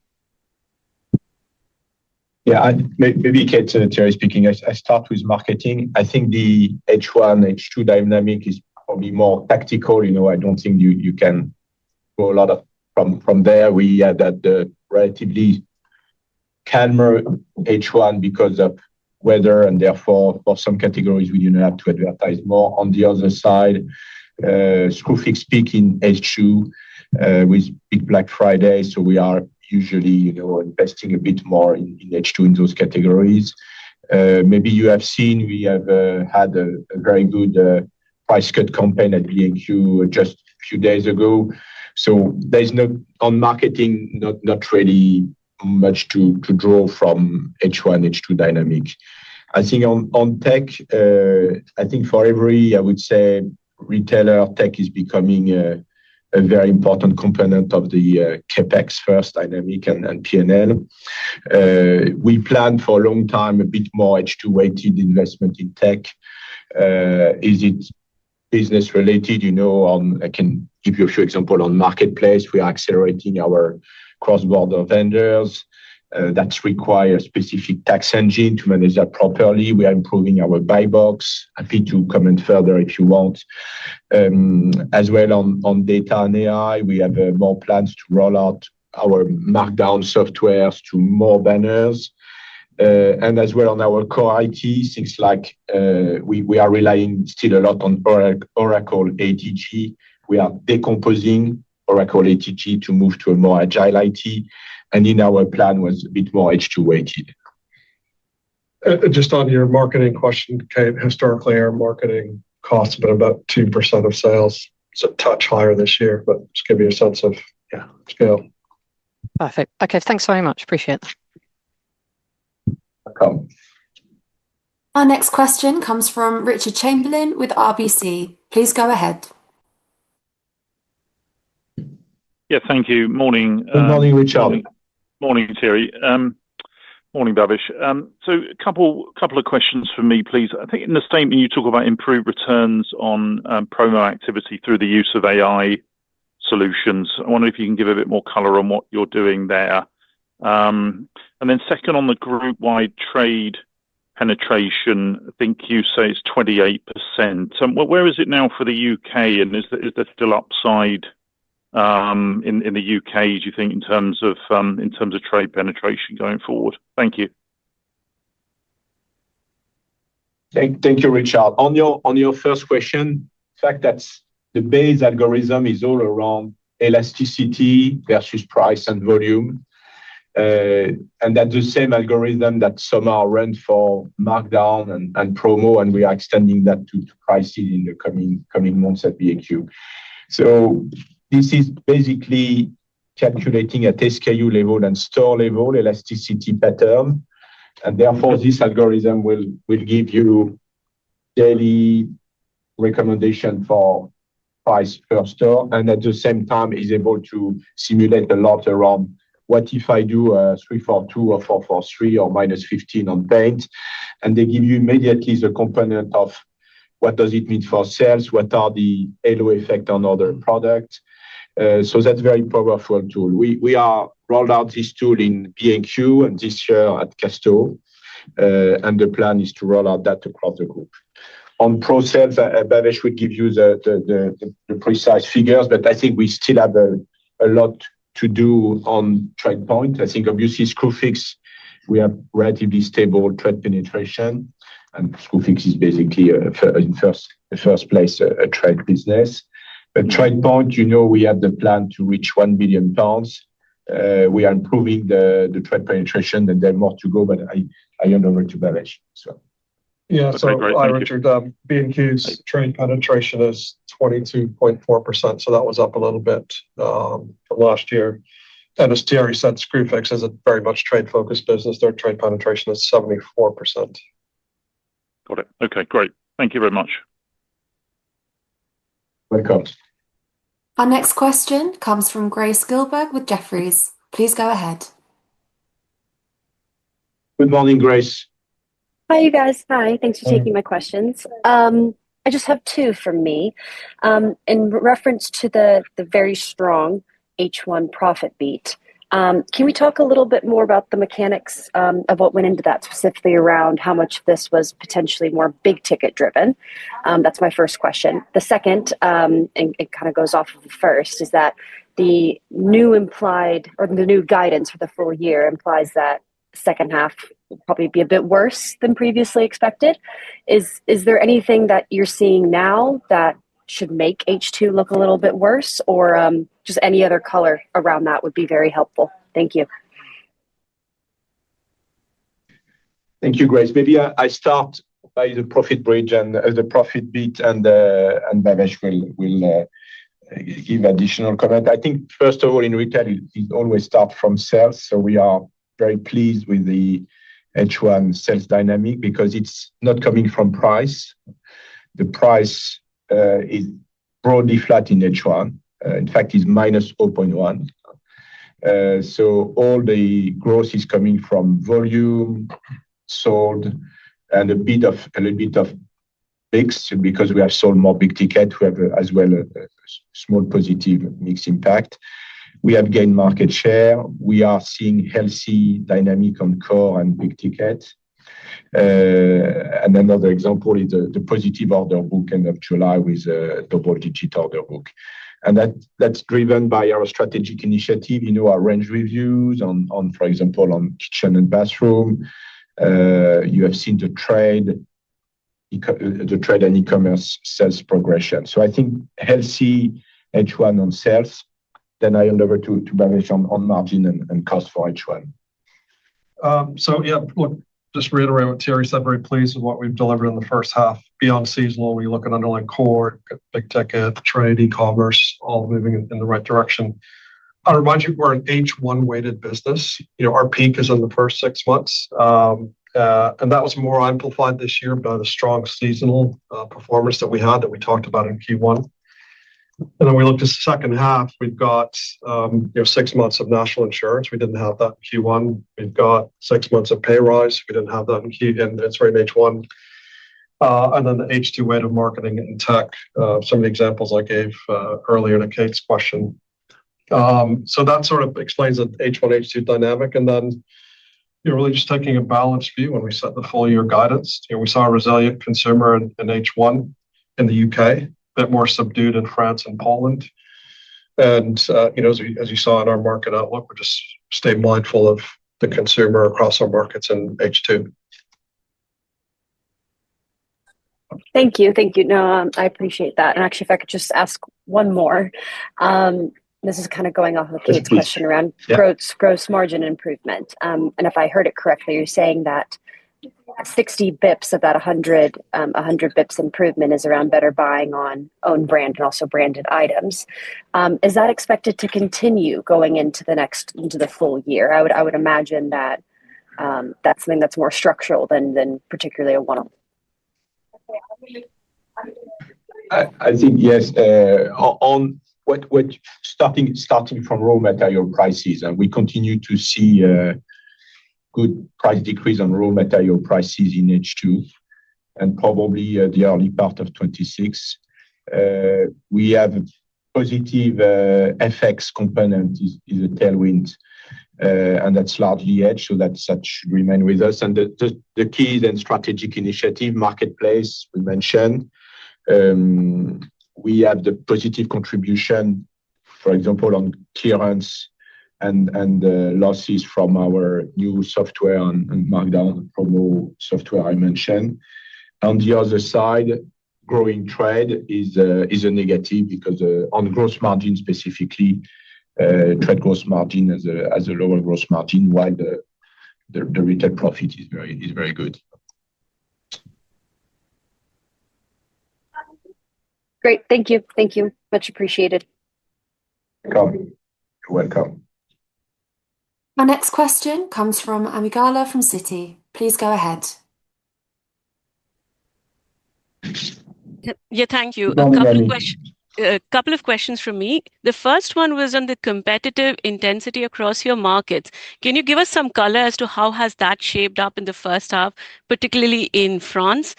Yeah, maybe Kate, Thierry speaking. I start with marketing. I think the H1, H2 dynamic is probably more tactical. I don't think you can go a lot from there. We had that relatively calmer H1 because of weather, and therefore for some categories we didn't have to advertise more. On the other side, Screwfix peak in H2 with Black Friday, so we are usually investing a bit more in H2 in those categories. Maybe you have seen we have had a very good price cut campaign at B&Q just a few days ago. There's no, on marketing, not really much to draw from H1, H2 dynamics. I think on tech, I think for every, I would say, retailer, tech is becoming a very important component of the CapEx-first dynamic and P&L. We planned for a long time a bit more H2-weighted investment in tech. Is it business-related? I can give you a few examples. On marketplace platforms, we are accelerating our cross-border vendors that require a specific tax engine to manage that properly. We are improving our buybox. Happy to comment further if you want. As well, on data and AI, we have more plans to roll out our markdown softwares to more banners. As well, on our core IT, things like we are relying still a lot on Oracle ATT. We are decomposing Oracle ATT to move to a more agile IT. In our plan was a bit more H2-weighted.
Just on your marketing question, Kate, historically our marketing costs have been about 2% of sales. It's a touch higher this year, but just give you a sense of scale. Perfect. Okay, thanks very much. Appreciate that.
Our next question comes from Richard Chamberlain with RBC Capital Markets. Please go ahead. Yeah, thank you. Morning.
Good morning, Richard. Morning, Thierry. Morning, Bhavesh. A couple of questions for me, please. I think in the statement you talk about improved returns on promo activity through the use of AI solutions. I wonder if you can give a bit more color on what you're doing there. Second, on the group-wide trade penetration, I think you say it's 28%. Where is it now for the UK? Is there still upside in the UK, do you think, in terms of trade penetration going forward? Thank you.
Thank you, Richard. On your first question, the fact that the base algorithm is all around elasticity versus price and volume, and that the same algorithm that somehow ran for markdown and promo, and we are extending that to prices in the coming months at B&Q. This is basically calculating at SKU level and store level elasticity pattern. Therefore, this algorithm will give you daily recommendation for price per store, and at the same time, it's able to simulate a lot around what if I do a 3 for 2 or 4 for 3 or minus 15% on paid. They give you immediately the component of what does it mean for sales, what are the halo effects on other products. That's a very powerful tool. We have rolled out this tool in B&Q and this year at Castorama, and the plan is to roll out that across the group. On process, Bhavesh would give you the precise figures, but I think we still have a lot to do on TradePoint. I think obviously Screwfix, we have relatively stable trade penetration, and Screwfix is basically in the first place a trade business. TradePoint, you know, we have the plan to reach £1 billion. We are improving the trade penetration, and there's more to go, but I hand over to Bhavesh.
Yeah, I agree with B&Q's trade penetration is 22.4%, so that was up a little bit last year. As Thierry Garnier said, Screwfix is a very much trade-focused business. Their trade penetration is 74%.
Got it. Okay, great. Thank you very much. Welcome.
Our next question comes from Grace Gilberg with Jefferies. Please go ahead.
Good morning, Grace. Hi, you guys. Hi. Thanks for taking my questions. I just have two from me. In reference to the very strong H1 profit beat, can we talk a little bit more about the mechanics of what went into that, specifically around how much this was potentially more big-ticket driven? That's my first question. The second, and it kind of goes off of the first, is that the new implied, or the new guidance for the full year implies that the second half will probably be a bit worse than previously expected. Is there anything that you're seeing now that should make H2 look a little bit worse, or just any other color around that would be very helpful? Thank you.
Thank you, Grace. Maybe I start by the profit bridge, and the profit beat and Bhavesh will give additional color. I think first of all, in retail, it always starts from sales. We are very pleased with the H1 sales dynamic because it's not coming from price. The price is broadly flat in H1. In fact, it's minus 0.1%. All the growth is coming from volume, sold, and a little bit of bigs because we have sold more big tickets. We have as well a small positive mix impact. We have gained market share. We are seeing healthy dynamic on core and big tickets. Another example is the positive order book end of July with a double-digit order book. That's driven by our strategic initiative. You know, our range reviews on, for example, on Shen and Bathroom. You have seen the trade and e-commerce sales progression. I think healthy H1 on sales. I hand over to Bhavesh on margin and cost for H1.
Yeah, just to reiterate, Thierry said very pleased with what we've delivered in the first half. Beyond seasonal, we look at underlying core, big ticket, trade, e-commerce, all moving in the right direction. I remind you we're an H1 weighted business. You know, our peak is in the first six months. That was more amplified this year by the strong seasonal performance that we had that we talked about in Q1. We looked at the second half. We've got six months of national insurance. We didn't have that in Q1. We've got six months of pay rise. We didn't have that in Q1. The H2 weighted marketing and tech, some of the examples I gave earlier to Kate's question, sort of explains the H1, H2 dynamic. You're really just taking a balanced view when we set the full-year guidance. We saw a resilient consumer in H1 in the UK, a bit more subdued in France and Poland. As you saw in our market outlook, we're just staying mindful of the consumer across our markets in H2.
Thank you. No, I appreciate that. Actually, if I could just ask one more. This is kind of going off of Kate's question around gross margin improvement. If I heard it correctly, you're saying that 60 bps of that 100 bps improvement is around better buying on own brand and also branded items. Is that expected to continue going into the next, into the full year? I would imagine that that's something that's more structural than particularly a one-off.
I think yes. On what starting from raw material prices, we continue to see a good price decrease on raw material prices in H2 and probably the early part of 2026. We have a positive FX component in the tailwind, and that's largely H2, so that should remain with us. The key then strategic initiative marketplace we mentioned, we have the positive contribution, for example, on clearance and losses from our new software and markdown promo software I mentioned. On the other side, growing trade is a negative because on gross margin specifically, trade gross margin has a lower gross margin while the retail profit is very good.
Great. Thank you. Thank you. Much appreciated.
You're welcome.
Our next question comes from Amygala from Citi. Please go ahead.
Yeah, thank you. A couple of questions from me. The first one was on the competitive intensity across your markets. Can you give us some color as to how has that shaped up in the first half, particularly in France?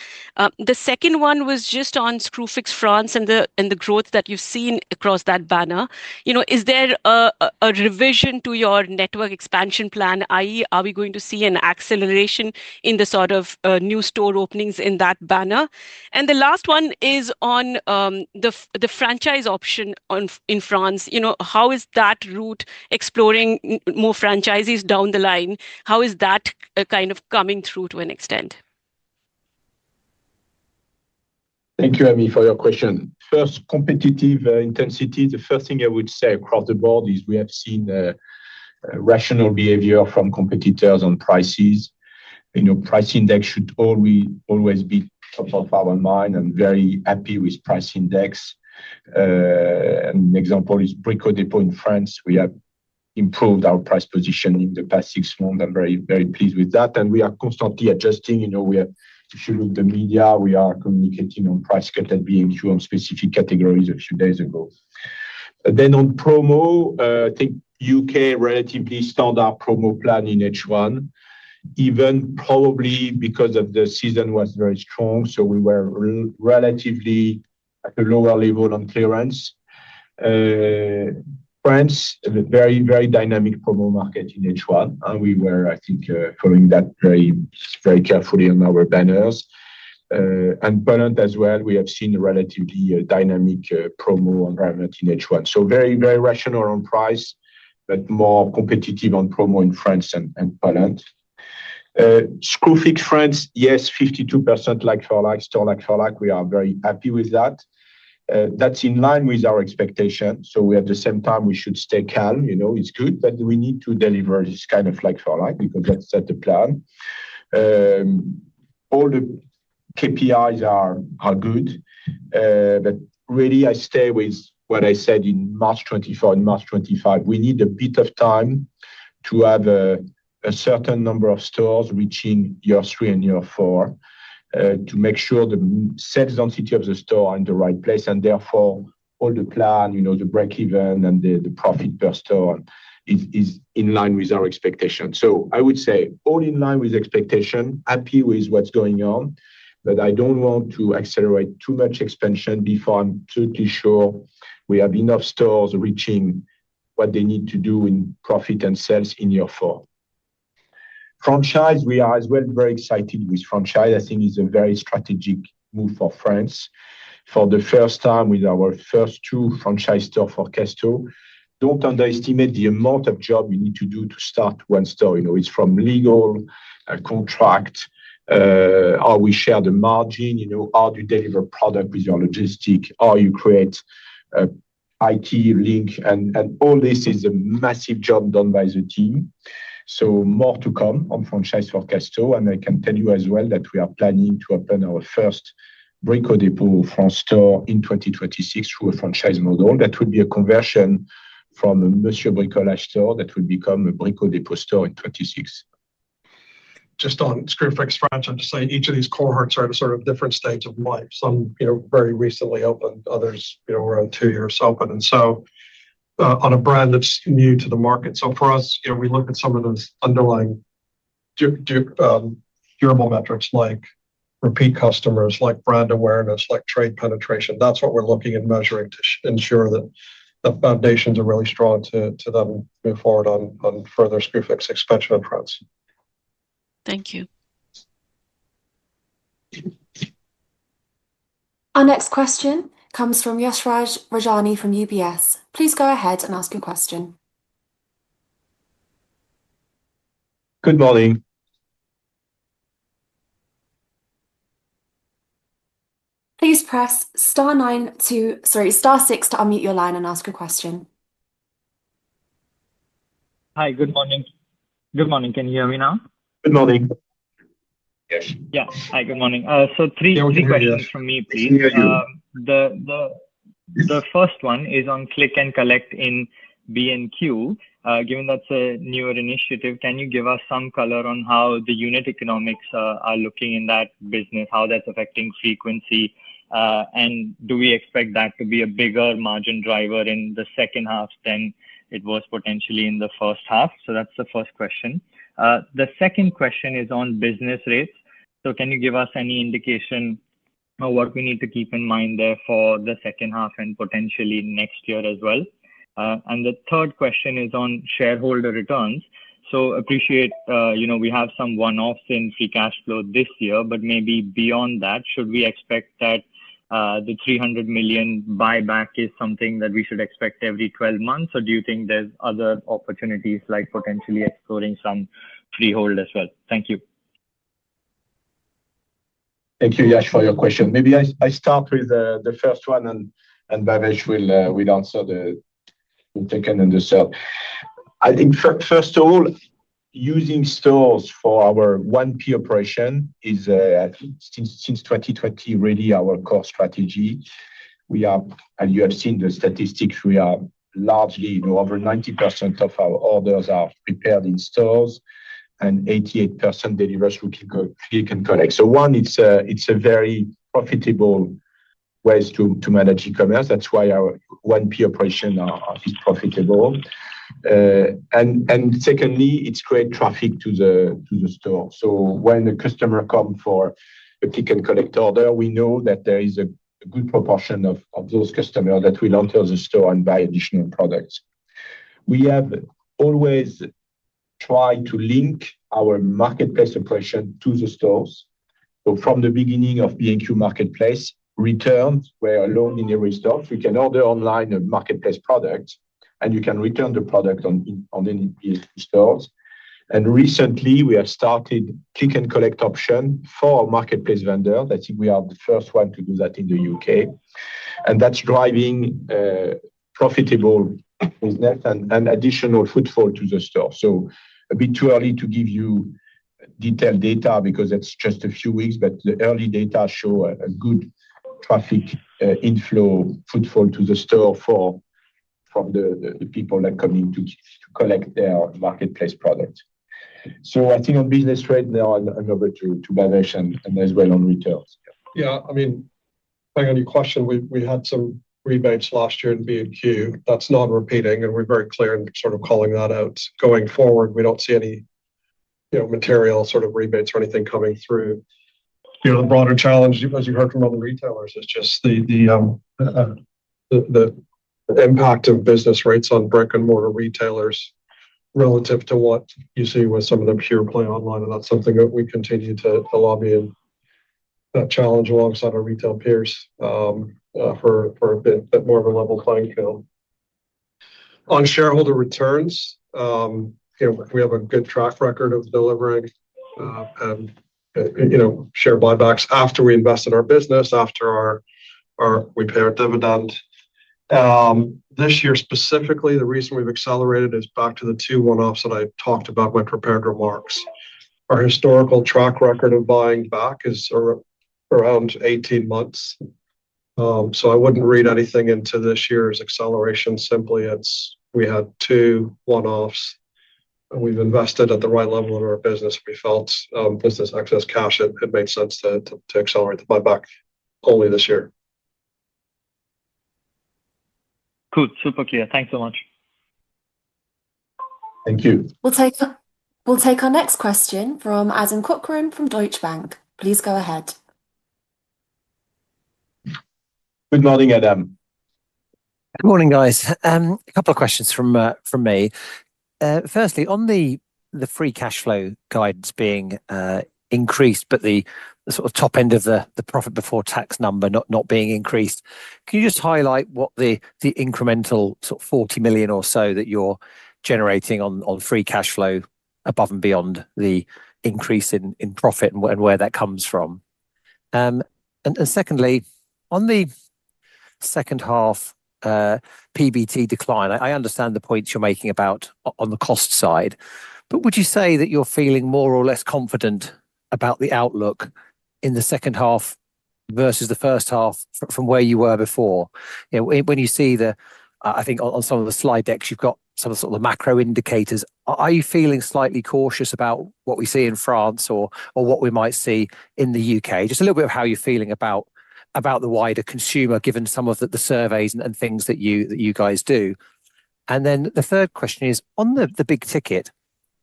The second one was just on Screwfix France and the growth that you've seen across that banner. You know, is there a revision to your network expansion plan, i.e., are we going to see an acceleration in the sort of new store openings in that banner? The last one is on the franchise option in France. You know, how is that route exploring more franchises down the line? How is that kind of coming through to an extent?
Thank you, Amy, for your question. First, competitive intensity, the first thing I would say across the board is we have seen rational behavior from competitors on prices. You know, price index should always be top of our mind. I'm very happy with price index. An example is Brico Dépôt in France. We have improved our price position in the past six months. I'm very, very pleased with that. We are constantly adjusting. You know, if you look at the media, we are communicating on price cut at B&Q on specific categories a few days ago. On promo, I think UK relatively standard promo plan in H1, even probably because the season was very strong, so we were relatively at a lower level on clearance. France, a very, very dynamic promo market in H1. We were, I think, following that very, very carefully on our banners. Poland as well, we have seen a relatively dynamic promo environment in H1. Very, very rational on price, but more competitive on promo in France and Poland. Screwfix France, yes, 52% like-for-like, store like-for-like. We are very happy with that. That's in line with our expectation. At the same time, we should stay calm. It's good, but we need to deliver this kind of like-for-like because that's the plan. All the KPIs are good. I stay with what I said in March 2024 and March 2025. We need a bit of time to have a certain number of stores reaching year three and year four to make sure the sales density of the store is in the right place. Therefore, all the plan, the break-even and the profit per store is in line with our expectation. I would say all in line with expectation, happy with what's going on, but I don't want to accelerate too much expansion before I'm totally sure we have enough stores reaching what they need to do in profit and sales in year four. Franchise, we are as well very excited with franchise. I think it's a very strategic move for France. For the first time, with our first two franchise stores for Castorama, don't underestimate the amount of job we need to do to start one store. It's from legal contract, how we share the margin, how do you deliver product with your logistics, how you create an IT link, and all this is a massive job done by the team. More to come on franchise for Castorama, and I can tell you as well that we are planning to open our first Brico Dépôt France store in 2026 through a franchise model. That would be a conversion from a Monsieur Bricolage store that would become a Brico Dépôt store in 2026.
Just on Screwfix France, I'd say each of these cohorts are in a sort of different state of life. Some, you know, very recently opened, others around two years open. On a brand that's new to the market, for us, we look at some of those underlying durable metrics like repeat customers, brand awareness, and trade penetration. That's what we're looking at measuring to ensure that the foundations are really strong to then move forward on further Screwfix expansion in France.
Thank you.
Our next question comes from Yash Raj Rajani from UBS. Please go ahead and ask your question.
Good morning.
Please press star six to unmute your line and ask a question.
Hi, good morning. Good morning. Can you hear me now?
Good morning. Yes.
Yes, hi, good morning. Three questions from me, please. Yes, we hear you. The first one is on click and collect in B&Q. Given that's a newer initiative, can you give us some color on how the unit economics are looking in that business, how that's affecting frequency, and do we expect that to be a bigger margin driver in the second half than it was potentially in the first half? That's the first question. The second question is on business rates. Can you give us any indication of what we need to keep in mind there for the second half and potentially next year as well? The third question is on shareholder returns. I appreciate, you know, we have some one-offs in free cash flow this year, but maybe beyond that, should we expect that the £300 million buyback is something that we should expect every 12 months, or do you think there's other opportunities like potentially exploring some freehold as well? Thank you.
Thank you, Yash, for your question. Maybe I start with the first one, and Bhavesh will answer the second and the third. I think first of all, using stores for our 1P operation is at least since 2020 really our core strategy. We are, and you have seen the statistics, we are largely, over 90% of our orders are prepared in stores and 88% delivered through click and collect. It's a very profitable way to manage e-commerce. That's why our 1P operation is profitable. Secondly, it's great traffic to the store. When a customer comes for a click and collect order, we know that there is a good proportion of those customers that will enter the store and buy additional products. We have always tried to link our marketplace operation to the stores. From the beginning of B&Q Marketplace, returns were allowed in every store. You can order online a marketplace product, and you can return the product in stores. Recently, we have started click and collect options for our marketplace vendors. I think we are the first one to do that in the UK. That's driving a profitable business and additional footfall to the store. It's a bit too early to give you detailed data because it's just a few weeks, but the early data shows a good traffic inflow footfall to the store from the people that are coming to collect their marketplace products. I think on business rates now, I'll hand over to Bhavesh and as well on returns.
Yeah, I mean, I think the question, we had some rebates last year in B&Q. That's not repeating, and we're very clear in sort of calling that out. Going forward, we don't see any, you know, material sort of rebates or anything coming through. The broader challenge, as you heard from other retailers, is just the impact of business rates on brick-and-mortar retailers relative to what you see with some of the pure play online. That's something that we continue to lobby and challenge alongside our retail peers for a bit more of a level playing field. On shareholder returns, we have a good track record of delivering and share buybacks after we invest in our business, after we pay our dividend. This year specifically, the reason we've accelerated is back to the two one-offs that I talked about when I prepared remarks. Our historical track record of buying back is around 18 months. I wouldn't read anything into this year's acceleration. Simply, we had two one-offs. We've invested at the right level in our business. We felt this is excess cash, and it made sense to accelerate the buyback only this year.
Cool. Super clear. Thanks so much.
We'll take our next question from Adam Cochrane from Deutsche Bank. Please go ahead.
Good morning, Adam.
Good morning, guys. A couple of questions from me. Firstly, on the free cash flow guidance being increased, but the sort of top end of the profit before tax number not being increased, can you just highlight what the incremental sort of £40 million or so that you're generating on free cash flow above and beyond the increase in profit and where that comes from? Secondly, on the second half PBT decline, I understand the points you're making about on the cost side, would you say that you're feeling more or less confident about the outlook in the second half versus the first half from where you were before? You know, when you see the, I think on some of the slide decks, you've got some of the sort of the macro indicators. Are you feeling slightly cautious about what we see in France or what we might see in the UK? Just a little bit of how you're feeling about the wider consumer, given some of the surveys and things that you guys do. The third question is, on the big ticket,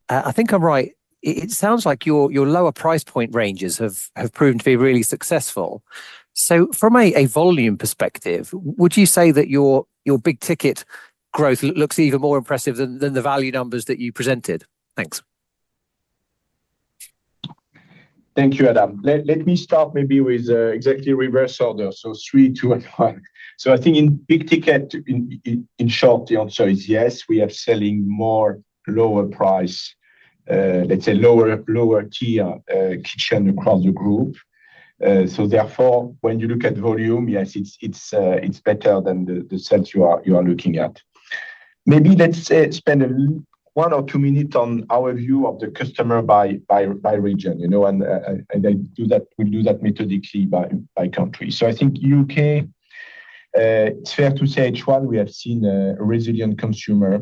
I think I'm right. It sounds like your lower price point ranges have proven to be really successful. From a volume perspective, would you say that your big ticket growth looks even more impressive than the value numbers that you presented? Thanks.
Thank you, Adam. Let me start maybe with exactly reverse order, so three to nine. I think in big ticket, in short, the answer is yes. We are selling more lower price, let's say lower tier kitchen across the group. Therefore, when you look at volume, yes, it's better than the sales you are looking at. Maybe let's spend one or two minutes on our view of the customer by region. You know, and we'll do that methodically by country. I think UK, it's fair to say H1, we have seen a resilient consumer.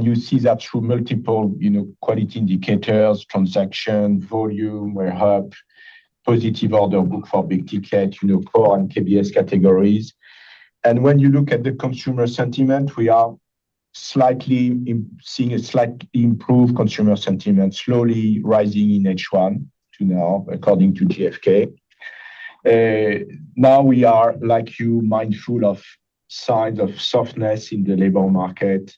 You see that through multiple, you know, quality indicators, transaction, volume, we have positive order book for big ticket, you know, PO and KBS categories. When you look at the consumer sentiment, we are seeing a slightly improved consumer sentiment, slowly rising in H1 to now, according to GFK. Now we are, like you, mindful of signs of softness in the labor market,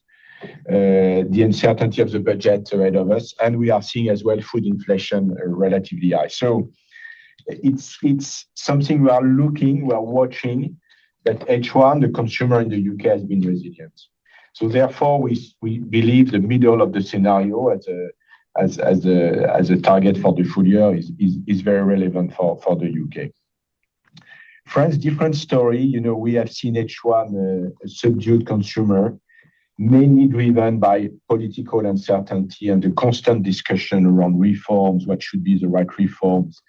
the uncertainty of the budget ahead of us, and we are seeing as well food inflation relatively high. It's something we are looking, we are watching, that H1, the consumer in the UK, has been resilient. Therefore, we believe the middle of the scenario as a target for the full year is very relevant for the UK. France, different story. We have seen H1 subdued consumer, mainly driven by political uncertainty and the constant discussion around reforms, what should be the right reforms.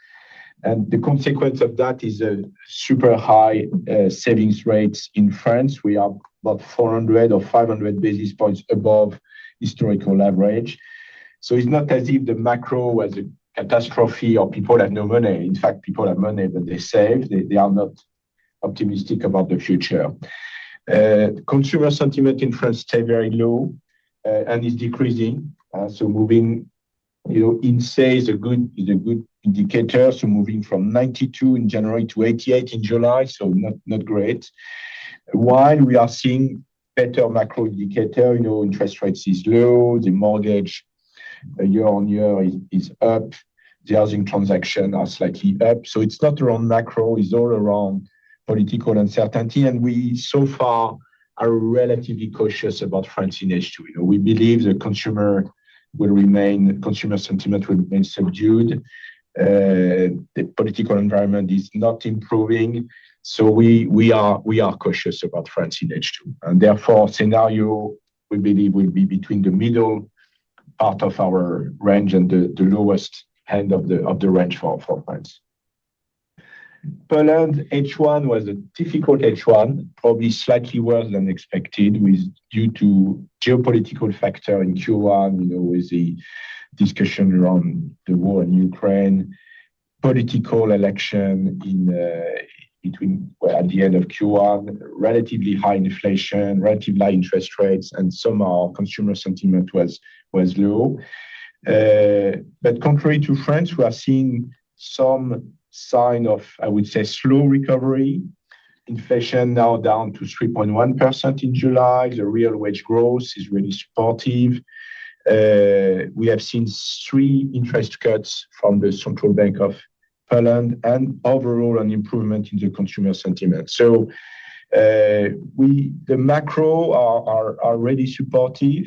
The consequence of that is a super high savings rate in France. We are about 400 or 500 basis points above historical average. It's not as if the macro was a catastrophe or people have no money. In fact, people have money, but they save. They are not optimistic about the future. Consumer sentiment in France stays very low and is decreasing. Moving, you know, in sales is a good indicator. Moving from 92 in January to 88 in July, not great. While we are seeing better macro indicators, you know, interest rates is low, the mortgage year on year is up, the housing transactions are slightly up. It's not around macro. It's all around political uncertainty. We so far are relatively cautious about France in H2. We believe the consumer will remain, consumer sentiment will remain subdued. The political environment is not improving. We are cautious about France in H2. Therefore, the scenario we believe will be between the middle part of our range and the lowest end of the range for France. H1 was a difficult H1, probably slightly worse than expected due to geopolitical factor in Q1. You know, with the discussion around the war in Ukraine, political election in between, at the end of Q1, relatively high inflation, relatively high interest rates, and some consumer sentiment was low. Contrary to France, we have seen some sign of, I would say, slow recovery. Inflation now down to 3.1% in July. The real wage growth is really supportive. We have seen three interest cuts from the Central Bank of Poland and overall an improvement in the consumer sentiment. The macro are really supportive.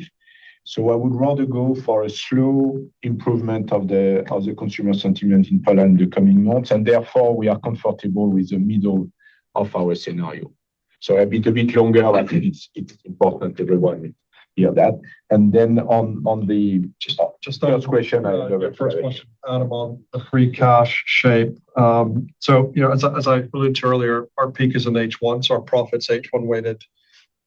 I would rather go for a slow improvement of the consumer sentiment in Poland in the coming months. Therefore, we are comfortable with the middle of our scenario. A bit of it longer, I think it's important to hear that. On the first question, I'll go ahead. First question out about the free cash shape. As I alluded to earlier, our peak is in H1. Our profits are H1 weighted.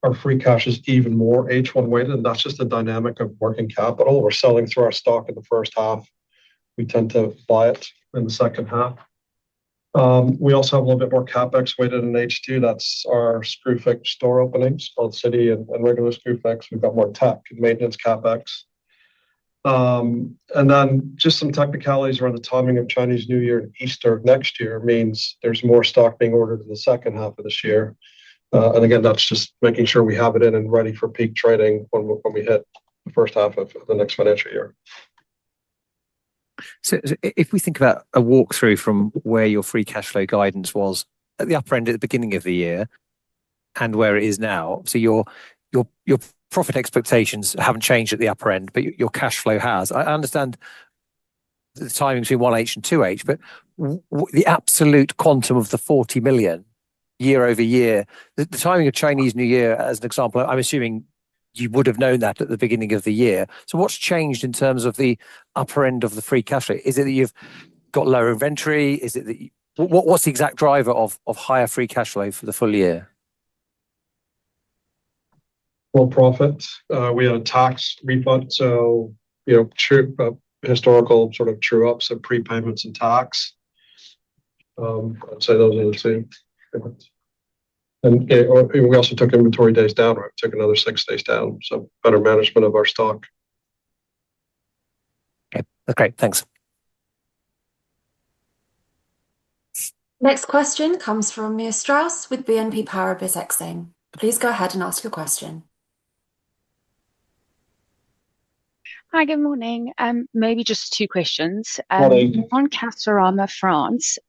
Our free cash is even more H1 weighted, and that's just a dynamic of working capital. We're selling through our stock in the first half. We tend to buy it in the second half. We also have a little bit more CapEx weighted in H2. That's our Screwfix store openings, both city and regular Screwfix. We've got more tech and maintenance CapEx, and then just some technicalities around the timing of Chinese New Year and Easter next year means there's more stock being ordered in the second half of this year. That's just making sure we have it in and ready for peak trading when we hit the first half of the next financial year.
If we think about a walkthrough from where your free cash flow guidance was at the upper end at the beginning of the year and where it is now, your profit expectations haven't changed at the upper end, but your cash flow has. I understand the timing between 1H and 2H, but the absolute quantum of the £40 million year over year, the timing of Chinese New Year as an example, I'm assuming you would have known that at the beginning of the year. What's changed in terms of the upper end of the free cash flow? Is it that you've got lower inventory? What's the exact driver of higher free cash flow for the full year?
Profits. We had a tax rebuttal, you know, but historical sort of true ups of prepayments and tax. I'd say those are the two. We also took inventory days down. We took another six days down, so better management of our stock.
Okay, that's great. Thanks.
Next question comes from Ms. Strauss with BNP Paribas. Please go ahead and ask your question.
Hi, good morning. Maybe just two questions.
Hi.
On Castorama France,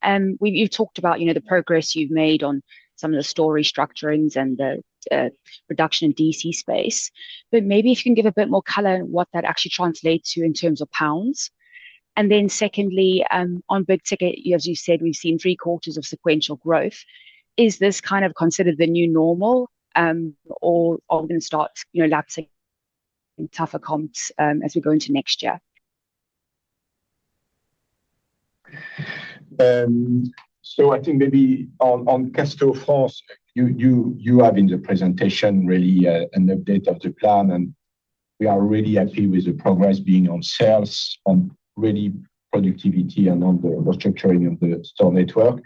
you've talked about the progress you've made on some of the store restructurings and the reduction in DC space. Maybe if you can give a bit more color on what that actually translates to in terms of pounds. Secondly, on Brico Dépôt, as you said, we've seen three quarters of sequential growth. Is this kind of considered the new normal or are we going to start, you know, lapsing in tougher comps as we go into next year?
I think maybe on cash flow France, you have in the presentation really an update of the plan. We are really happy with the progress being on sales, on really productivity, and on the restructuring of the store network.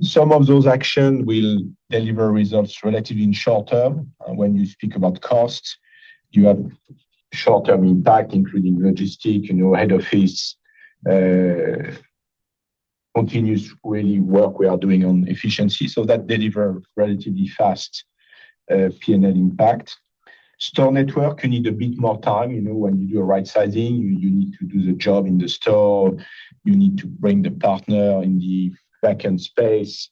Some of those actions will deliver results relatively in the short term. When you speak about costs, you have short-term impact, including logistics, you know, head office, continuous really work we are doing on efficiency. That delivers relatively fast P&L impact. Store network, you need a bit more time. You know, when you do a right sizing, you need to do the job in the store. You need to bring the partner in the backend space.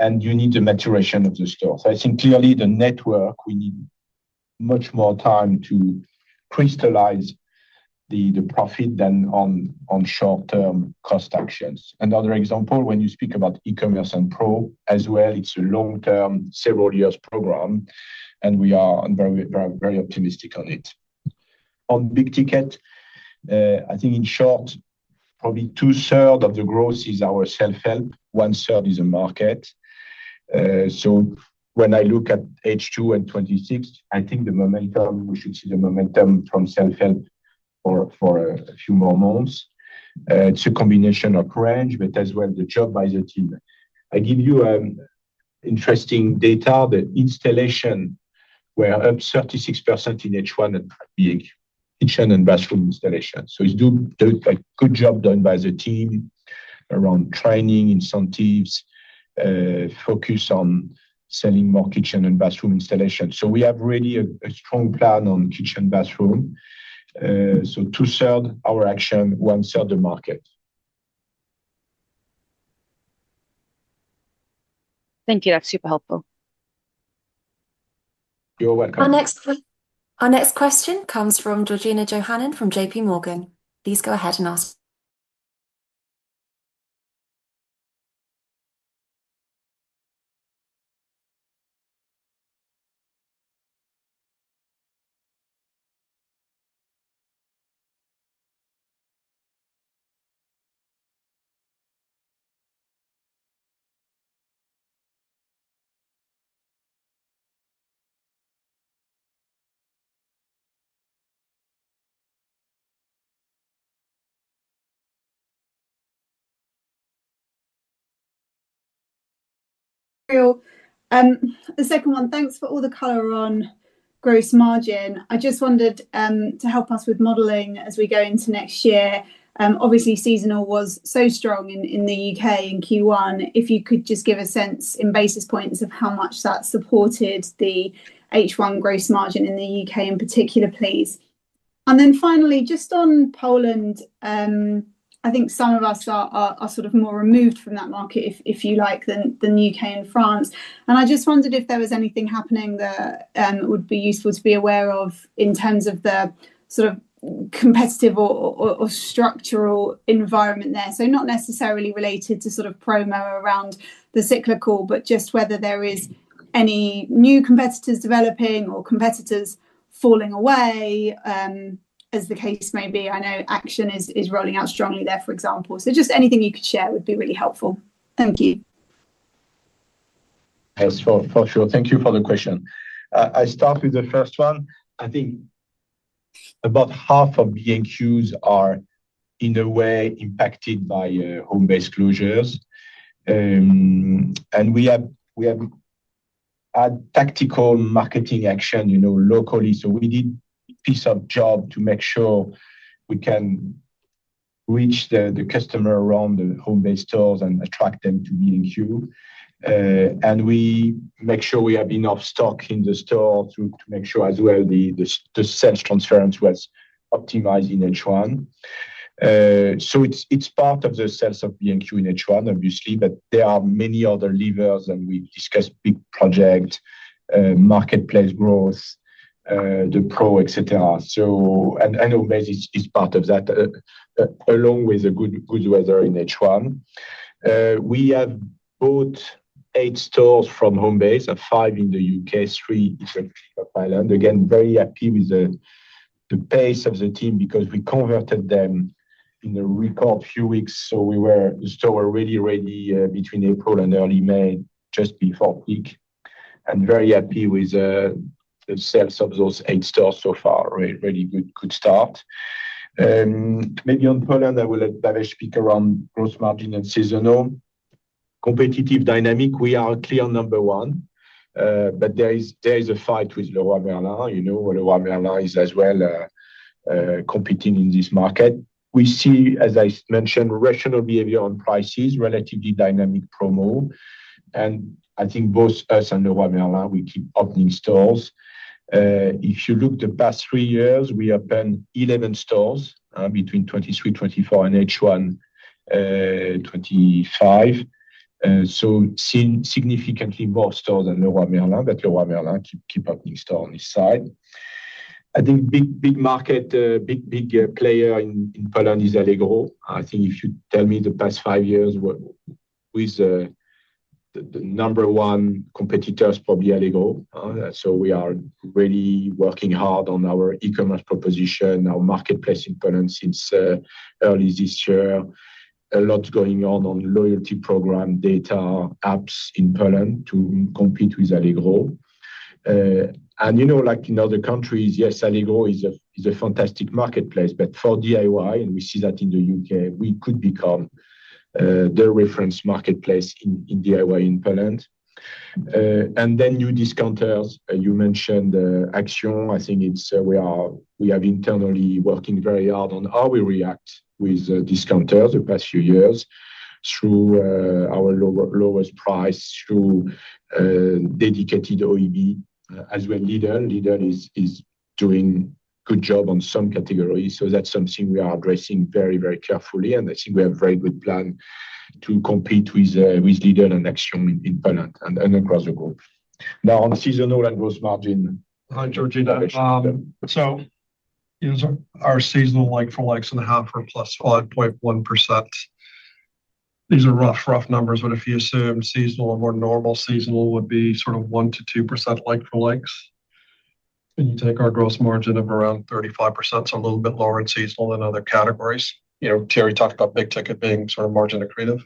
You need the maturation of the store. I think clearly the network, we need much more time to crystallize the profit than on short-term cost actions. Another example, when you speak about e-commerce and pro as well, it's a long-term, several years program. We are very, very optimistic on it. On big ticket, I think in short, probably two-thirds of the growth is our self-help, one-third is the market. When I look at H2 and 2026, I think the momentum, we should see the momentum from self-help for a few more months. It's a combination of range, but as well the job by the team. I give you an interesting data, the installation were up 36% in H1 in bathroom installation. It's doing a good job done by the team around training, incentives, focus on selling more kitchen and bathroom installation. We have really a strong plan on kitchen and bathroom. Two-thirds our action, one-third the market.
Thank you. That's super helpful.
You're welcome. Our next question comes from Georgina Johannan from J.P. Morgan. Please go ahead and ask.
Hello. The second one, thanks for all the color on gross margin. I just wondered, to help us with modeling as we go into next year. Obviously, seasonal was so strong in the UK in Q1. If you could just give a sense in basis points of how much that supported the H1 gross margin in the UK in particular, please. Finally, just on Poland, I think some of us are sort of more removed from that market, if you like, than the UK and France. I just wondered if there was anything happening that would be useful to be aware of in terms of the sort of competitive or structural environment there. Not necessarily related to sort of promo around the cyclical, but just whether there are any new competitors developing or competitors falling away, as the case may be. I know Action is rolling out strongly there, for example. Anything you could share would be really helpful. Thank you.
Thanks for sure. Thank you for the question. I start with the first one. I think about half of B&Q's are in a way impacted by Homebase closures. We have a tactical marketing action, you know, locally. We did a piece of job to make sure we can reach the customer around the Homebase stores and attract them to B&Q. We make sure we have enough stock in the store to make sure as well the sales transference was optimized in H1. It's part of the sales of B&Q in H1, obviously, but there are many other levers and we discussed big projects, marketplace growth, the pro, etc. Homebase is part of that, along with a good weather in H1. We have bought eight stores from Homebase, five in the UK, three in the Pacific Island. Again, very happy with the pace of the team because we converted them in the reco few weeks. We were ready between April and early May, just before the peak. Very happy with the sales of those eight stores so far. Really good start. Maybe on Poland, I will let Bhavesh speak around gross margin and seasonal. Competitive dynamic, we are clear number one. There is a fight with Leroy Merlin. You know, Leroy Merlin is as well competing in this market. We see, as I mentioned, rational behavior on prices, relatively dynamic promo. I think both us and Leroy Merlin, we keep opening stores. If you look at the past three years, we have done 11 stores between 2023, 2024, and H1 2025. Significantly more stores than Leroy Merlin, but Leroy Merlin keeps opening stores on this side. I think a big market, a big player in Poland is Allegro. If you tell me the past five years with the number one competitors, probably Allegro. We are really working hard on our e-commerce proposition, our marketplace in Poland since early this year. A lot going on on loyalty program, data, apps in Poland to compete with Allegro. You know, like in other countries, yes, Allegro is a fantastic marketplace. For DIY, and we see that in the UK, we could become the reference marketplace in DIY in Poland. New discounters, you mentioned Action. I think we have internally working very hard on how we react with discounters the past few years through our lowest price, through dedicated OEB, as well Lidl. Lidl is doing a good job on some categories. That's something we are addressing very, very carefully. I think we have a very good plan to compete with Lidl and Action in Poland and across the group. Now, on seasonal and gross margin.
I'll jump in. Our seasonal like-for-likes in the half are +5.1%. These are rough numbers. If you assume seasonal and more normal seasonal would be sort of 1% to 2% like-for-likes, and you take our gross margin of around 35%, it's a little bit lower in seasonal than other categories. Thierry talked about big ticket being sort of margin creative.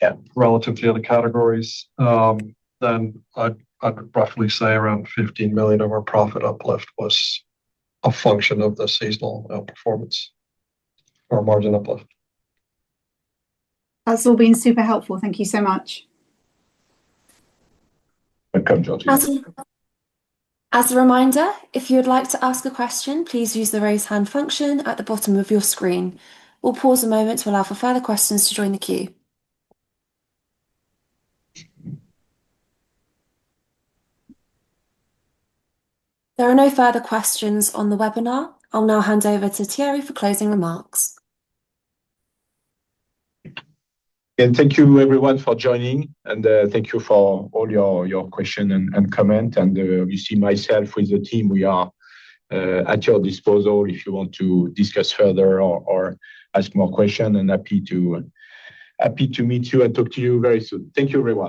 Yeah, relative to the other categories, then I'd roughly say around £15 million of our profit uplift was a function of the seasonal performance or margin uplift. That's all been super helpful. Thank you so much. As a reminder, if you would like to ask a question, please use the raise hand function at the bottom of your screen. We'll pause a moment to allow for further questions to join the queue. There are no further questions on the webinar. I'll now hand over to Thierry Garnier for closing remarks.
Thank you, everyone, for joining. Thank you for all your questions and comments. We, myself with the team, are at your disposal if you want to discuss further or ask more questions. Happy to meet you and talk to you very soon. Thank you very much.